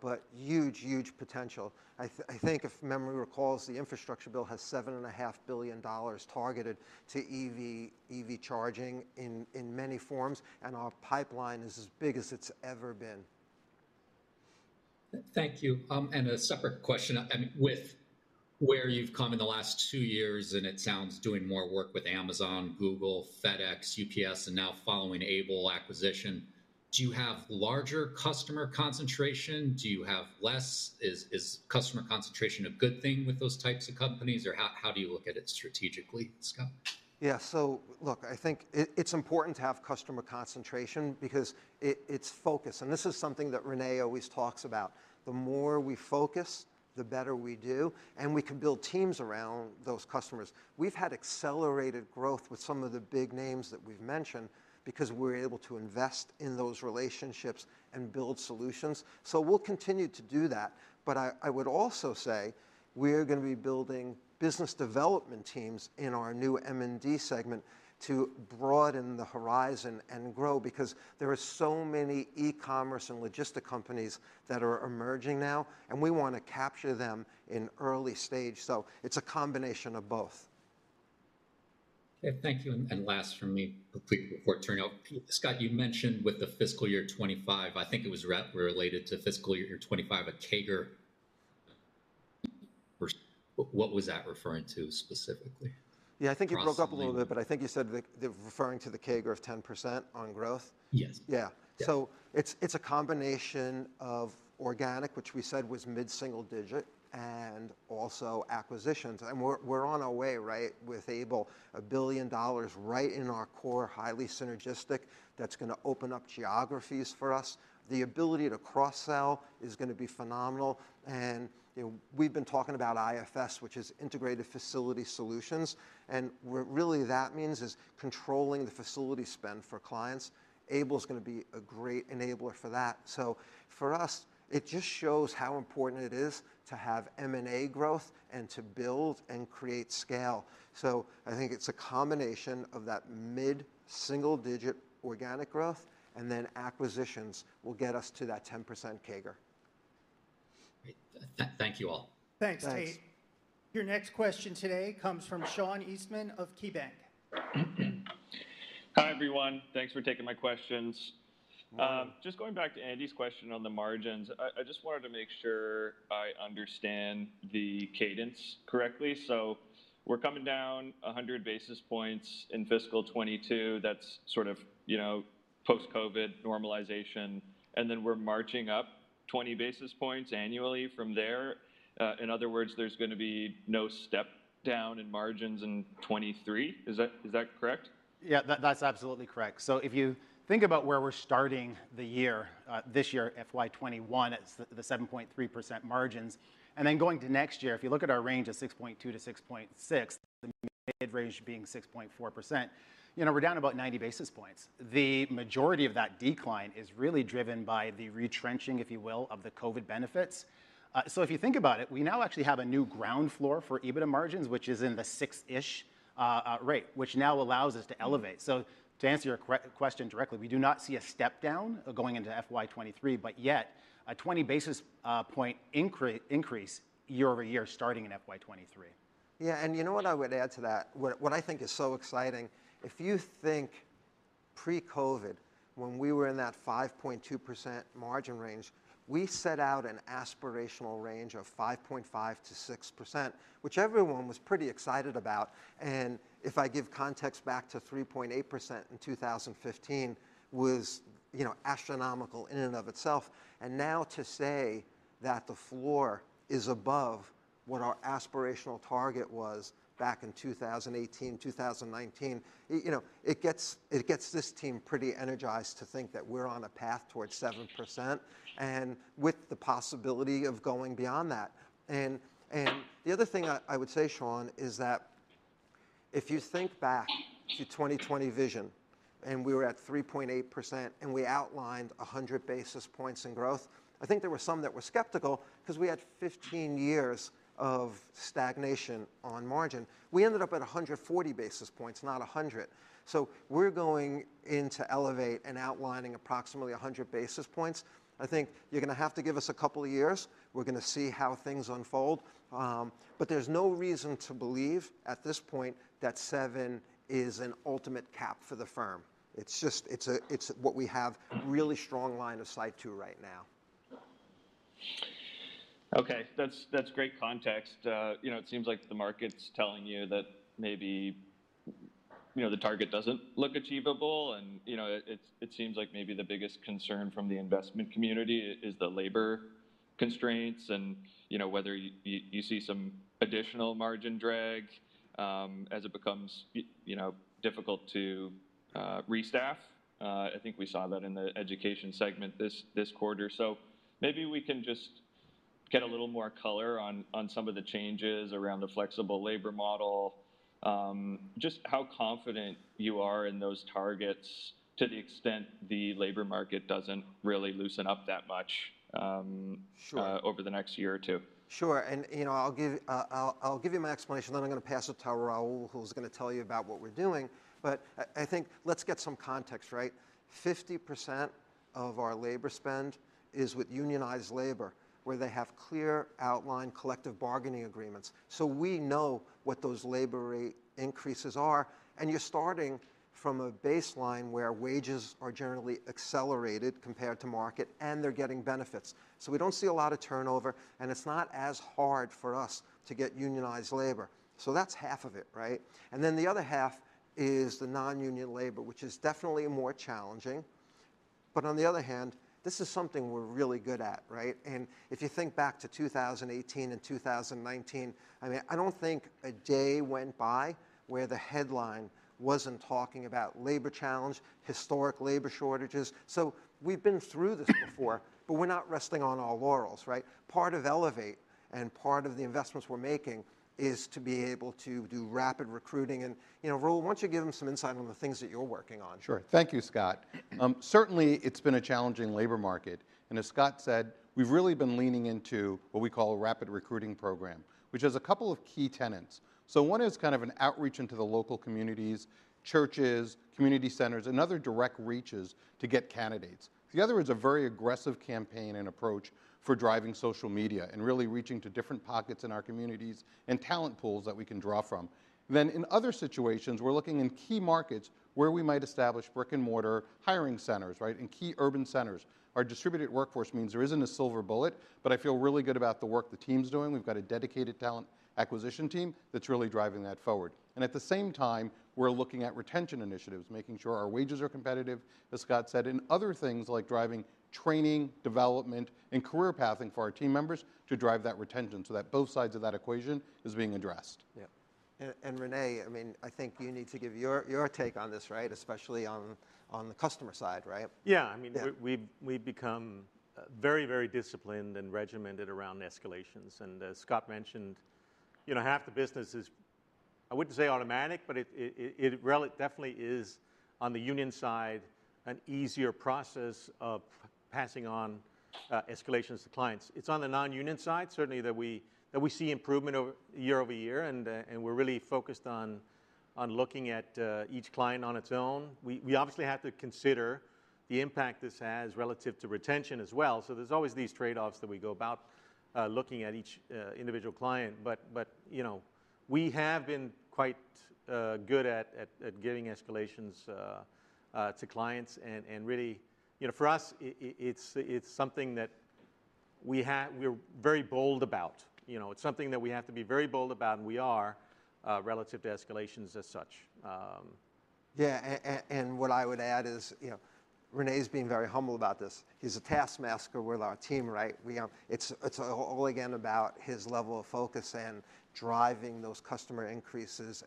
[SPEAKER 2] but huge potential. I think if memory recalls, the infrastructure bill has $7.5 billion targeted to EV charging in many forms, and our pipeline is as big as it's ever been.
[SPEAKER 11] Thank you. A separate question. With where you've come in the last two years, and it sounds you're doing more work with Amazon, Google, FedEx, UPS, and now following Able acquisition, do you have larger customer concentration? Do you have less? Is customer concentration a good thing with those types of companies? Or how do you look at it strategically, Scott?
[SPEAKER 2] Yeah. Look, I think it's important to have customer concentration because it's focus, and this is something that Rene always talks about. The more we focus, the better we do, and we can build teams around those customers. We've had accelerated growth with some of the big names that we've mentioned because we're able to invest in those relationships and build solutions. We'll continue to do that, but I would also say we're gonna be building business development teams in our new M&D segment to broaden the horizon and grow because there are so many e-commerce and logistic companies that are emerging now, and we wanna capture them in early stage. It's a combination of both.
[SPEAKER 11] Okay. Thank you, and last from me before turning it over. Scott, you mentioned with the fiscal year '25, I think it was related to fiscal year '25, a CAGR %. What was that referring to specifically?
[SPEAKER 2] Yeah, I think you broke up a little bit.
[SPEAKER 11] Growth, I mean.
[SPEAKER 2] I think you said, referring to the CAGR of 10% on growth.
[SPEAKER 11] Yes.
[SPEAKER 2] Yeah.
[SPEAKER 11] Yeah.
[SPEAKER 2] It's a combination of organic, which we said was mid-single digit, and also acquisitions. We're on our way, right, with Able. $1 billion right in our core, highly synergistic, that's gonna open up geographies for us. The ability to cross-sell is gonna be phenomenal, and, you know, we've been talking about IFS, which is integrated facility solutions. What really that means is controlling the facility spend for clients. Able's gonna be a great enabler for that. For us, it just shows how important it is to have M&A growth and to build and create scale. I think it's a combination of that mid-single digit organic growth, and then acquisitions will get us to that 10% CAGR.
[SPEAKER 11] Great. Thank you all.
[SPEAKER 1] Thanks, Tate.
[SPEAKER 11] Thanks.
[SPEAKER 1] Your next question today comes from Sean Eastman of KeyBanc Capital Markets.
[SPEAKER 12] Hi, everyone. Thanks for taking my questions.
[SPEAKER 2] Hello.
[SPEAKER 12] Just going back to Andy's question on the margins. I just wanted to make sure I understand the cadence correctly. We're coming down 100 basis points in fiscal 2022. That's sort of, you know, post-COVID normalization, and then we're marching up 20 basis points annually from there. In other words, there's gonna be no step down in margins in 2023. Is that correct?
[SPEAKER 3] Yeah, that's absolutely correct. If you think about where we're starting the year, this year, FY 2021, it's the 7.3% margins. Going to next year, if you look at our range of 6.2%-6.6%, the mid-range being 6.4%, you know, we're down about 90 basis points. The majority of that decline is really driven by the retrenching, if you will, of the COVID benefits. If you think about it, we now actually have a new ground floor for EBITDA margins, which is in the six-ish rate, which now allows us to elevate. To answer your question directly, we do not see a step down going into FY 2023, but yet a 20 basis point increase year over year starting in FY 2023.
[SPEAKER 2] Yeah. You know what I would add to that? What I think is so exciting, if you think pre-COVID, when we were in that 5.2% margin range, we set out an aspirational range of 5.5%-6%, which everyone was pretty excited about. If I give context back to 3.8% in 2015, was, you know, astronomical in and of itself. Now to say that the floor is above what our aspirational target was back in 2018, 2019, you know, it gets this team pretty energized to think that we're on a path towards 7%, and with the possibility of going beyond that. The other thing I would say, Sean, is that if you think back to 2020 Vision, and we were at 3.8%, and we outlined 100 basis points in growth, I think there were some that were skeptical 'cause we had 15 years of stagnation on margin. We ended up at 140 basis points, not a hundred. We're going into ELEVATE and outlining approximately 100 basis points. I think you're gonna have to give us a couple of years. We're gonna see how things unfold, but there's no reason to believe at this point that 7% is an ultimate cap for the firm. It's just, it's what we have really strong line of sight to right now.
[SPEAKER 12] Okay. That's great context. You know, it seems like the market's telling you that maybe, you know, the target doesn't look achievable and, you know, it seems like maybe the biggest concern from the investment community is the labor constraints and, you know, whether you see some additional margin drag as it becomes, you know, difficult to restaff. I think we saw that in the education segment this quarter. Maybe we can just get a little more color on some of the changes around the flexible labor model just how confident you are in those targets to the extent the labor market doesn't really loosen up that much.
[SPEAKER 2] Sure
[SPEAKER 12] over the next year or two.
[SPEAKER 2] Sure. You know, I'll give you my explanation, then I'm gonna pass it to Raúl, who's gonna tell you about what we're doing. I think let's get some context, right? 50% of our labor spend is with unionized labor, where they have clear outlined collective bargaining agreements. We know what those labor rate increases are, and you're starting from a baseline where wages are generally accelerated compared to market, and they're getting benefits. We don't see a lot of turnover, and it's not as hard for us to get unionized labor. That's half of it, right? Then the other half is the non-union labor, which is definitely more challenging. On the other hand, this is something we're really good at, right? If you think back to 2018 and 2019, I mean, I don't think a day went by where the headline wasn't talking about labor challenge, historic labor shortages. We've been through this before, but we're not resting on our laurels, right? Part of ELEVATE and part of the investments we're making is to be able to do rapid recruiting. You know, Raúl, why don't you give them some insight on the things that you're working on?
[SPEAKER 7] Sure. Thank you, Scott. Certainly it's been a challenging labor market, and as Scott said, we've really been leaning into what we call a rapid recruiting program, which has a couple of key tenets. One is kind of an outreach into the local communities, churches, community centers, and other direct reaches to get candidates. The other is a very aggressive campaign and approach for driving social media and really reaching to different pockets in our communities and talent pools that we can draw from. In other situations, we're looking in key markets where we might establish brick-and-mortar hiring centers, right, in key urban centers. Our distributed workforce means there isn't a silver bullet, but I feel really good about the work the team's doing. We've got a dedicated talent acquisition team that's really driving that forward. at the same time, we're looking at retention initiatives, making sure our wages are competitive, as Scott said, and other things like driving training, development, and career pathing for our team members to drive that retention so that both sides of that equation is being addressed.
[SPEAKER 2] Yeah. Rene, I mean, I think you need to give your take on this, right? Especially on the customer side, right?
[SPEAKER 6] Yeah. I mean.
[SPEAKER 2] Yeah...
[SPEAKER 6] we've become very, very disciplined and regimented around escalations. As Scott mentioned, you know, half the business is I wouldn't say automatic, but it really definitely is on the union side an easier process of passing on escalations to clients. It's on the non-union side, certainly, that we see improvement over year-over-year and we're really focused on looking at each client on its own. We obviously have to consider the impact this has relative to retention as well. There's always these trade-offs that we go about looking at each individual client. You know, we have been quite good at getting escalations to clients and really, you know, for us, it's something that we're very bold about. You know, it's something that we have to be very bold about, and we are relative to escalations as such.
[SPEAKER 2] Yeah. What I would add is, you know, Rene's being very humble about this. He's a taskmaster with our team, right? It's all again about his level of focus and driving those customer increases.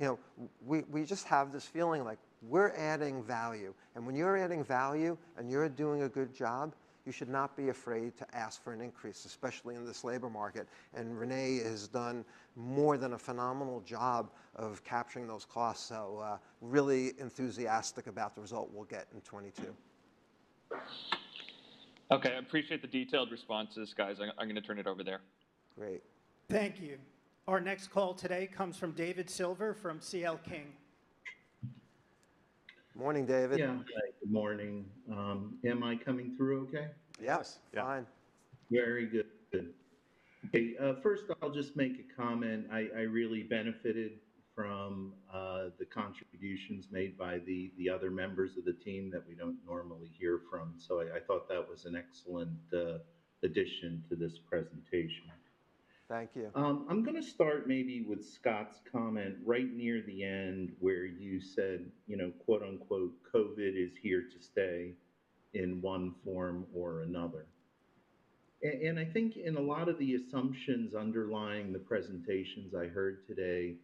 [SPEAKER 2] You know, we just have this feeling like we're adding value. When you're adding value, and you're doing a good job, you should not be afraid to ask for an increase, especially in this labor market. Rene has done more than a phenomenal job of capturing those costs. Really enthusiastic about the result we'll get in 2022.
[SPEAKER 12] Okay. I appreciate the detailed responses, guys. I'm gonna turn it over there.
[SPEAKER 2] Great.
[SPEAKER 1] Thank you. Our next call today comes from David Silver from C.L. King.
[SPEAKER 2] Morning, David.
[SPEAKER 13] Yeah. Good morning. Am I coming through okay?
[SPEAKER 2] Yes.
[SPEAKER 6] Yeah.
[SPEAKER 13] Very good. Okay. First I'll just make a comment. I really benefited from the contributions made by the other members of the team that we don't normally hear from. I thought that was an excellent addition to this presentation.
[SPEAKER 2] Thank you.
[SPEAKER 13] I'm gonna start maybe with Scott's comment right near the end where you said, you know, quote unquote, "COVID is here to stay in one form or another." I think in a lot of the assumptions underlying the presentations I heard today,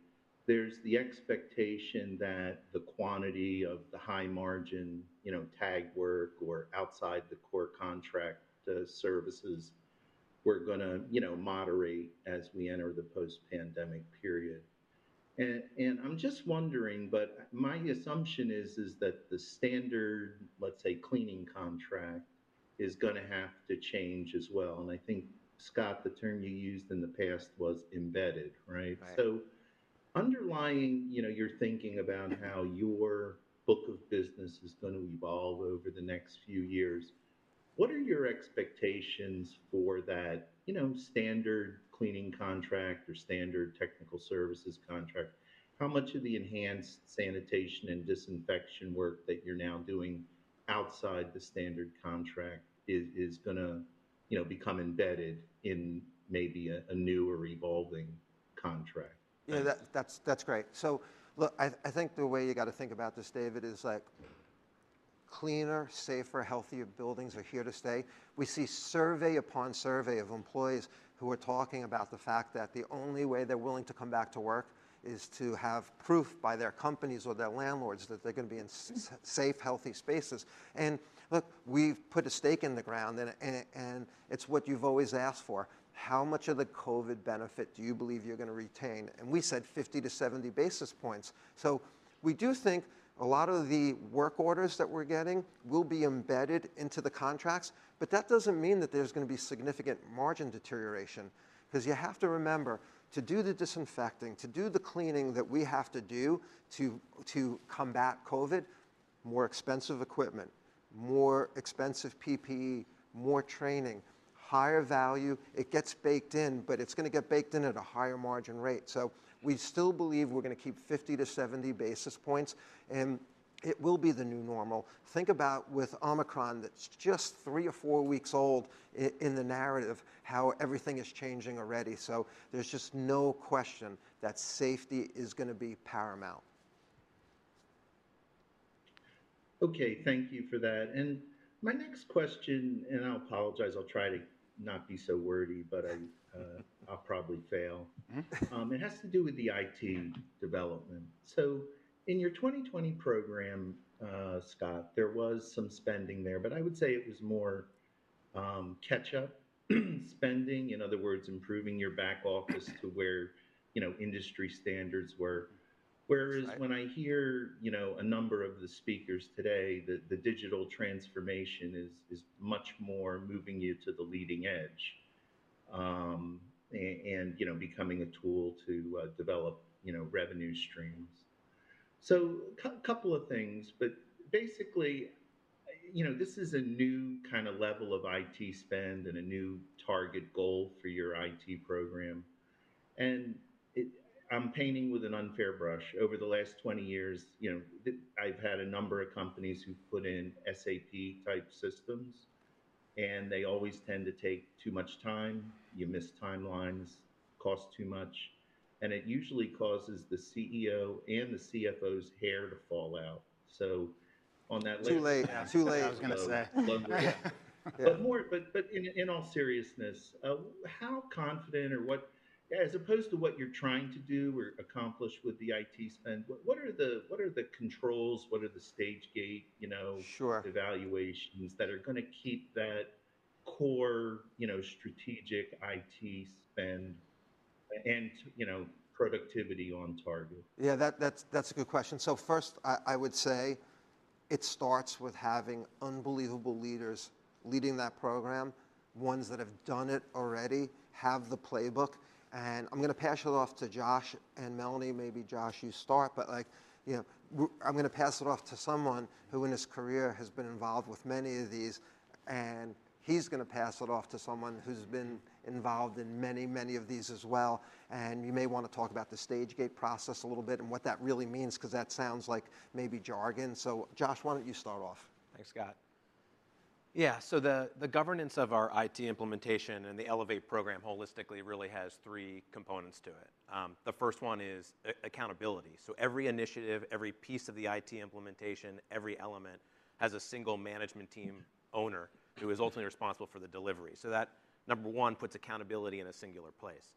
[SPEAKER 13] there's the expectation that the quantity of the high margin, you know, tag work or outside the core contract, services were gonna, you know, moderate as we enter the post-pandemic period. I'm just wondering, but my assumption is that the standard, let's say, cleaning contract is gonna have to change as well. I think, Scott, the term you used in the past was embedded, right?
[SPEAKER 2] Right.
[SPEAKER 13] Underlying, you know, your thinking about how your book of business is gonna evolve over the next few years, what are your expectations for that, you know, standard cleaning contract or standard technical services contract? How much of the enhanced sanitation and disinfection work that you're now doing outside the standard contract is gonna, you know, become embedded in maybe a new or evolving contract?
[SPEAKER 2] Yeah. That's great. Look, I think the way you gotta think about this, David, is like cleaner, safer, healthier buildings are here to stay. We see survey upon survey of employees who are talking about the fact that the only way they're willing to come back to work is to have proof by their companies or their landlords that they're gonna be in safe, healthy spaces. Look, we've put a stake in the ground and it's what you've always asked for. How much of the COVID benefit do you believe you're gonna retain? We said 50-70 basis points. We do think a lot of the work orders that we're getting will be embedded into the contracts. That doesn't mean that there's gonna be significant margin deterioration 'cause you have to remember, to do the disinfecting, to do the cleaning that we have to do to combat COVID, more expensive equipment, more expensive PPE, more training, higher value. It gets baked in, but it's gonna get baked in at a higher margin rate. We still believe we're gonna keep 50-70 basis points, and it will be the new normal. Think about with Omicron that's just three or four weeks old in the narrative, how everything is changing already. There's just no question that safety is gonna be paramount.
[SPEAKER 13] Okay. Thank you for that. My next question, and I'll apologize, I'll try to not be so wordy, but I'll probably fail. It has to do with the IT development. In your 2020 program, Scott, there was some spending there, but I would say it was more catch-up spending. In other words, improving your back office to where, you know, industry standards were.
[SPEAKER 2] That's right.
[SPEAKER 13] Whereas when I hear, you know, a number of the speakers today, the digital transformation is much more moving you to the leading edge, and, you know, becoming a tool to develop, you know, revenue streams. Couple of things, but basically, you know, this is a new kinda level of IT spend and a new target goal for your IT program. I'm painting with an unfair brush. Over the last 20 years, you know, I've had a number of companies who put in SAP type systems, and they always tend to take too much time, you miss timelines, cost too much, and it usually causes the CEO and the CFO's hair to fall out. On that list-
[SPEAKER 2] Too late, I was gonna say.
[SPEAKER 13] In all seriousness, how confident or what? As opposed to what you're trying to do or accomplish with the IT spend, what are the controls? What are the stage gate, you know?
[SPEAKER 2] Sure
[SPEAKER 13] evaluations that are gonna keep that core, you know, strategic IT spend and, you know, productivity on target?
[SPEAKER 2] Yeah, that's a good question. First, I would say it starts with having unbelievable leaders leading that program, ones that have done it already, have the playbook. I'm gonna pass it off to Josh and Melanie, maybe Josh, you start. Like, you know, I'm gonna pass it off to someone who in his career has been involved with many of these, and he's gonna pass it off to someone who's been involved in many, many of these as well, and you may wanna talk about the stage gate process a little bit and what that really means, 'cause that sounds like maybe jargon. Josh, why don't you start off?
[SPEAKER 5] Thanks, Scott. Yeah, the governance of our IT implementation and the ELEVATE program holistically really has three components to it. The first one is accountability. Every initiative, every piece of the IT implementation, every element has a single management team owner who is ultimately responsible for the delivery. That, number one, puts accountability in a singular place.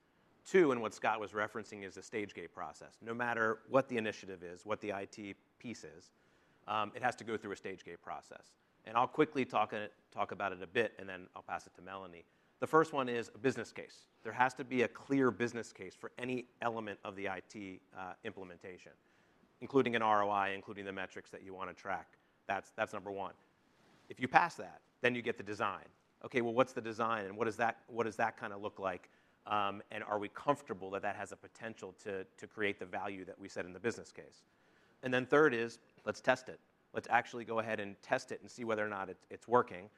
[SPEAKER 5] Two, and what Scott was referencing, is the stage gate process. No matter what the initiative is, what the IT piece is, it has to go through a stage gate process. I'll quickly talk about it a bit, and then I'll pass it to Melanie. The first one is a business case. There has to be a clear business case for any element of the IT implementation, including an ROI, including the metrics that you wanna track. That's number one. If you pass that, then you get the design. Okay, well, what's the design and what does that kinda look like, and are we comfortable that that has a potential to create the value that we said in the business case? Third is, let's test it. Let's actually go ahead and test it and see whether or not it's working,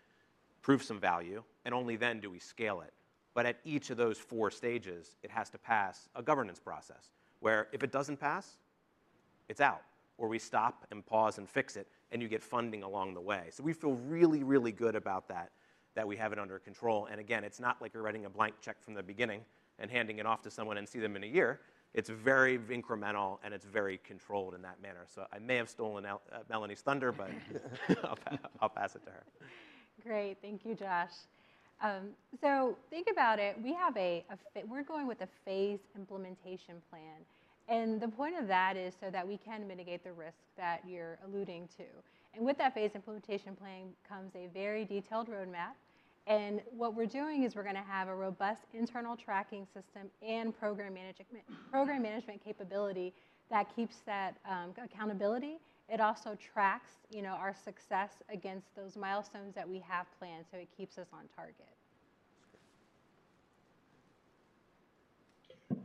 [SPEAKER 5] prove some value, and only then do we scale it. At each of those four stages, it has to pass a governance process, where if it doesn't pass, it's out, or we stop and pause and fix it, and you get funding along the way. We feel really, really good about that we have it under control. Again, it's not like you're writing a blank check from the beginning and handing it off to someone and see them in a year. It's very incremental and it's very controlled in that manner. I may have stolen Melanie's thunder, but I'll pass it to her.
[SPEAKER 8] Great. Thank you, Josh. Think about it. We have a phased implementation plan, and the point of that is so that we can mitigate the risk that you're alluding to. With that phased implementation plan comes a very detailed roadmap, and what we're doing is we're gonna have a robust internal tracking system and program management capability that keeps that accountability. It also tracks, you know, our success against those milestones that we have planned. It keeps us on target.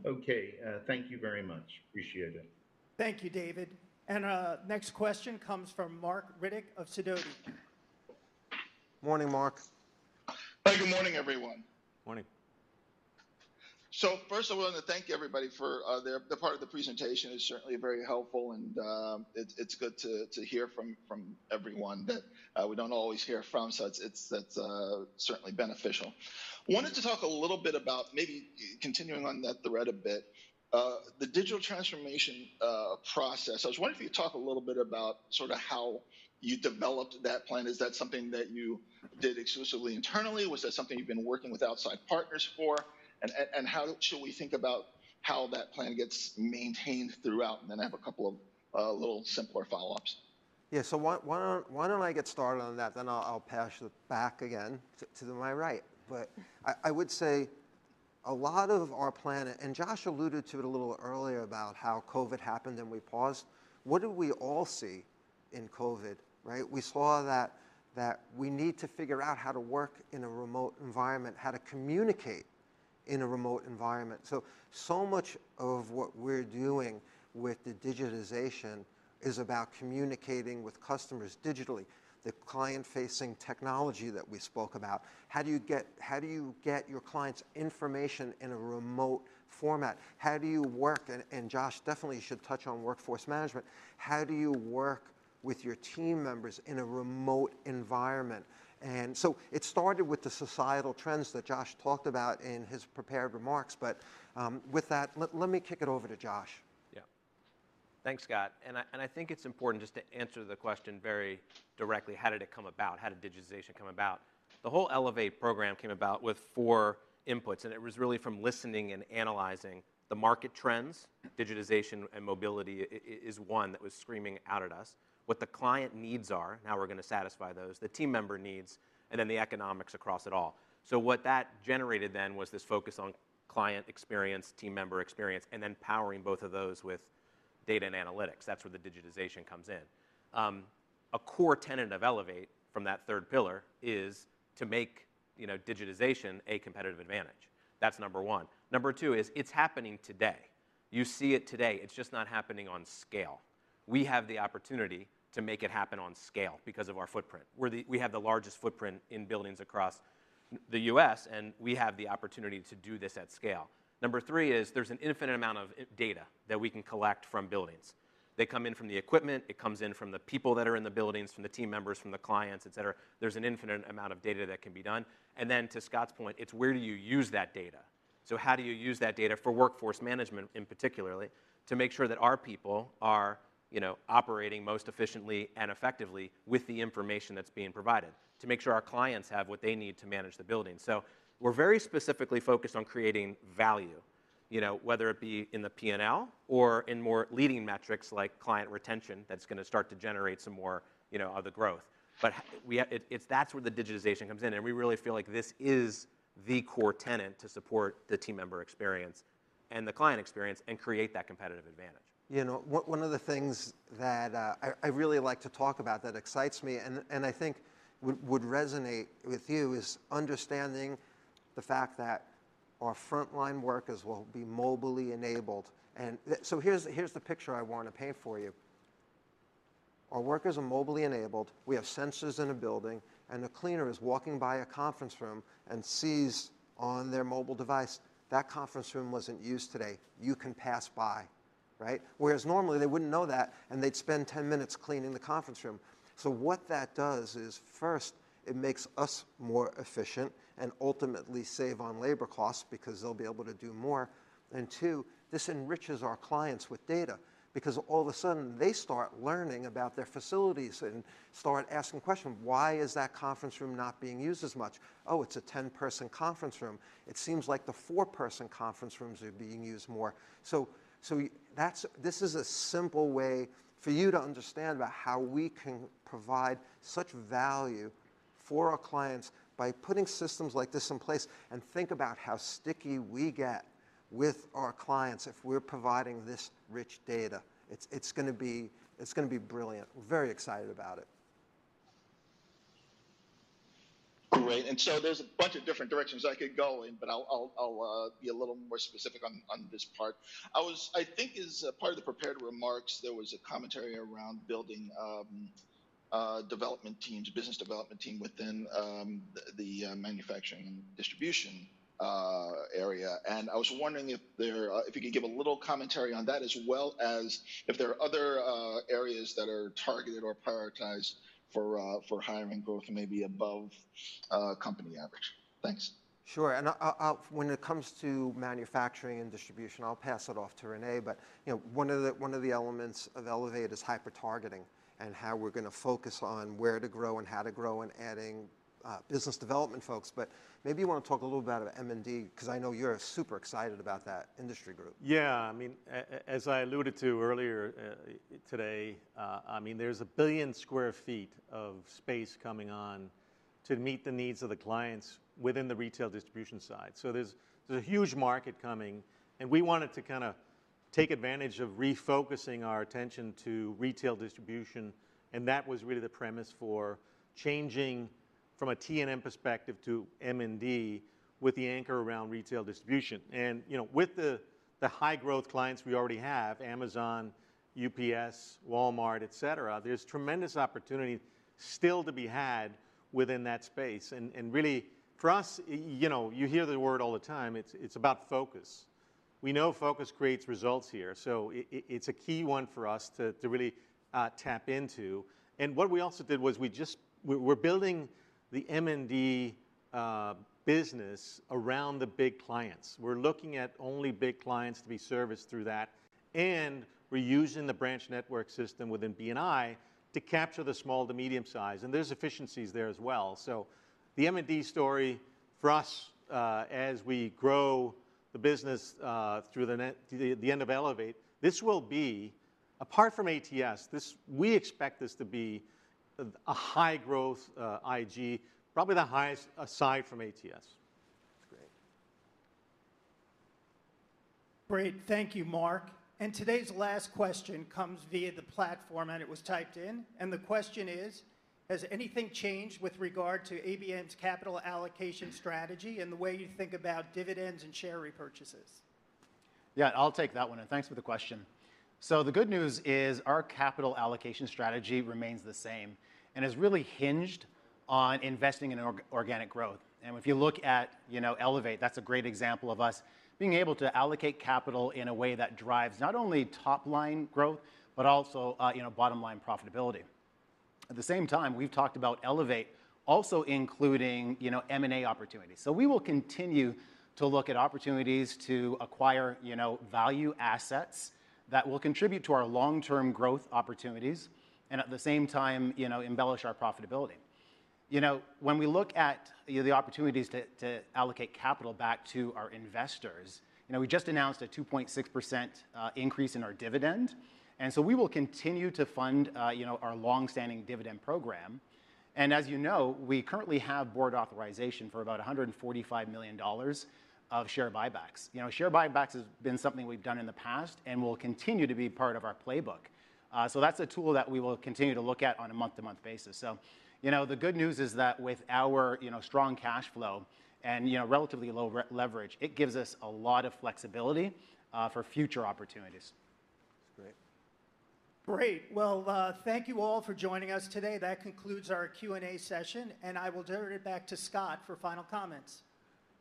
[SPEAKER 13] Okay. Thank you very much. Appreciate it.
[SPEAKER 1] Thank you, David. Next question comes from Marc Riddick of Sidoti.
[SPEAKER 2] Morning, Marc.
[SPEAKER 14] Good morning, everyone.
[SPEAKER 5] Morning.
[SPEAKER 14] First I wanted to thank everybody for their, the part of the presentation is certainly very helpful and, it is good to hear from everyone that we don't always hear from, so that's certainly beneficial. I wanted to talk a little bit about maybe continuing on that thread a bit. The digital transformation process, I was wondering if you could talk a little bit about sort of how you developed that plan. Is that something that you did exclusively internally? Was that something you've been working with outside partners for? How should we think about how that plan gets maintained throughout? I have a couple of little simpler follow-ups.
[SPEAKER 2] Why don't I get started on that, then I'll pass it back again to my right. I would say a lot of our plan, and Josh alluded to it a little earlier, about how COVID happened and we paused. What did we all see in COVID, right? We saw that we need to figure out how to work in a remote environment, how to communicate in a remote environment. Much of what we're doing with the digitization is about communicating with customers digitally, the client-facing technology that we spoke about. How do you get your client's information in a remote format? How do you work, and Josh definitely should touch on workforce management, how do you work with your team members in a remote environment? It started with the societal trends that Josh talked about in his prepared remarks. With that, let me kick it over to Josh.
[SPEAKER 5] Yeah. Thanks, Scott. I think it's important just to answer the question very directly, how did it come about? How did digitization come about? The whole ELEVATE program came about with four inputs, and it was really from listening and analyzing the market trends, digitization and mobility is one that was screaming out at us. What the client needs are, and how we're gonna satisfy those, the team member needs, and then the economics across it all. What that generated then was this focus on client experience, team member experience, and then powering both of those with data and analytics. That's where the digitization comes in. A core tenet of ELEVATE from that third pillar is to make, you know, digitization a competitive advantage. That's number one. Number two is it's happening today. You see it today. It's just not happening on scale. We have the opportunity to make it happen on scale because of our footprint. We have the largest footprint in buildings across the U.S., and we have the opportunity to do this at scale. Number three is there's an infinite amount of data that we can collect from buildings. They come in from the equipment. It comes in from the people that are in the buildings, from the team members, from the clients, et cetera. There's an infinite amount of data that can be done. Then to Scott's point, it's where do you use that data. How do you use that data for workforce management in particular to make sure that our people are, you know, operating most efficiently and effectively with the information that's being provided to make sure our clients have what they need to manage the building. We're very specifically focused on creating value. You know, whether it be in the P&L or in more leading metrics like client retention, that's gonna start to generate some more, you know, of the growth. That's where the digitization comes in, and we really feel like this is the core tenet to support the team member experience and the client experience and create that competitive advantage.
[SPEAKER 2] You know, one of the things that I really like to talk about that excites me and I think would resonate with you is understanding the fact that our frontline workers will be mobilely enabled and here's the picture I want to paint for you. Our workers are mobilely enabled, we have sensors in a building, and the cleaner is walking by a conference room and sees on their mobile device that conference room wasn't used today, you can pass by, right? Whereas normally, they wouldn't know that, and they'd spend 10 minutes cleaning the conference room. What that does is, first, it makes us more efficient and ultimately save on labor costs because they'll be able to do more. Two, this enriches our clients with data because all of a sudden they start learning about their facilities and start asking questions. Why is that conference room not being used as much?" "Oh, it's a 10-person conference room. It seems like the 4-person conference rooms are being used more." This is a simple way for you to understand about how we can provide such value for our clients by putting systems like this in place, and think about how sticky we get with our clients if we're providing this rich data. It's gonna be brilliant. We're very excited about it.
[SPEAKER 14] Great. There's a bunch of different directions I could go in, but I'll be a little more specific on this part. I think as part of the prepared remarks, there was a commentary around building development teams, business development team within the Manufacturing and Distribution area. I was wondering if you could give a little commentary on that as well as if there are other areas that are targeted or prioritized for hiring growth maybe above company average. Thanks.
[SPEAKER 2] Sure. When it comes to manufacturing and distribution, I'll pass it off to Rene. You know, one of the elements of ELEVATE is hyper-targeting and how we're gonna focus on where to grow and how to grow and adding business development folks. Maybe you wanna talk a little about M&D, 'cause I know you're super excited about that industry group.
[SPEAKER 6] Yeah. I mean, as I alluded to earlier today, I mean, there's 1 billion sq ft of space coming on to meet the needs of the clients within the retail distribution side. There's a huge market coming, and we wanted to kinda take advantage of refocusing our attention to retail distribution, and that was really the premise for changing from a T&M perspective to M&D with the anchor around retail distribution. You know, with the high growth clients we already have, Amazon, UPS, Walmart, et cetera, there's tremendous opportunity still to be had within that space. Really, for us, you know, you hear the word all the time, it's about focus. We know focus creates results here. It is a key one for us to really tap into. What we also did was we're building the M&D business around the big clients. We're looking at only big clients to be serviced through that, and we're using the branch network system within B&I to capture the small to medium size, and there's efficiencies there as well. The M&D story for us, as we grow the business through the end of ELEVATE, this will be, apart from ATS, we expect this to be a high growth IG, probably the highest aside from ATS.
[SPEAKER 2] Great.
[SPEAKER 1] Great. Thank you, Marc. Today's last question comes via the platform, and it was typed in. The question is: Has anything changed with regard to ABM's capital allocation strategy and the way you think about dividends and share repurchases?
[SPEAKER 6] Yeah, I'll take that one. Thanks for the question. The good news is our capital allocation strategy remains the same and has really hinged on investing in organic growth. If you look at, you know, ELEVATE, that's a great example of us being able to allocate capital in a way that drives not only top line growth, but also, you know, bottom line profitability. At the same time, we've talked about ELEVATE also including, you know, M&A opportunities. We will continue to look at opportunities to acquire, you know, value assets that will contribute to our long-term growth opportunities, and at the same time, you know, embellish our profitability. You know, when we look at the opportunities to allocate capital back to our investors, you know, we just announced a 2.6% increase in our dividend. We will continue to fund, you know, our long-standing dividend program. As you know, we currently have board authorization for about $145 million of share buybacks. You know, share buybacks has been something we've done in the past and will continue to be part of our playbook. That's a tool that we will continue to look at on a month-to-month basis. You know, the good news is that with our, you know, strong cash flow and, you know, relatively low leverage, it gives us a lot of flexibility for future opportunities.
[SPEAKER 2] That's great.
[SPEAKER 1] Great. Well, thank you all for joining us today. That concludes our Q&A session, and I will turn it back to Scott for final comments.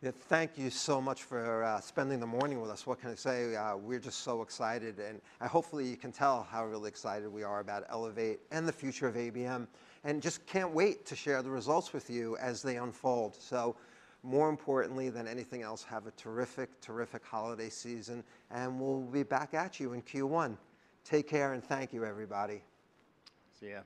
[SPEAKER 2] Yeah. Thank you so much for spending the morning with us. What can I say? We're just so excited, and hopefully you can tell how really excited we are about ELEVATE and the future of ABM, and just can't wait to share the results with you as they unfold. More importantly than anything else, have a terrific holiday season, and we'll be back at you in Q1. Take care, and thank you, everybody.
[SPEAKER 1] See ya.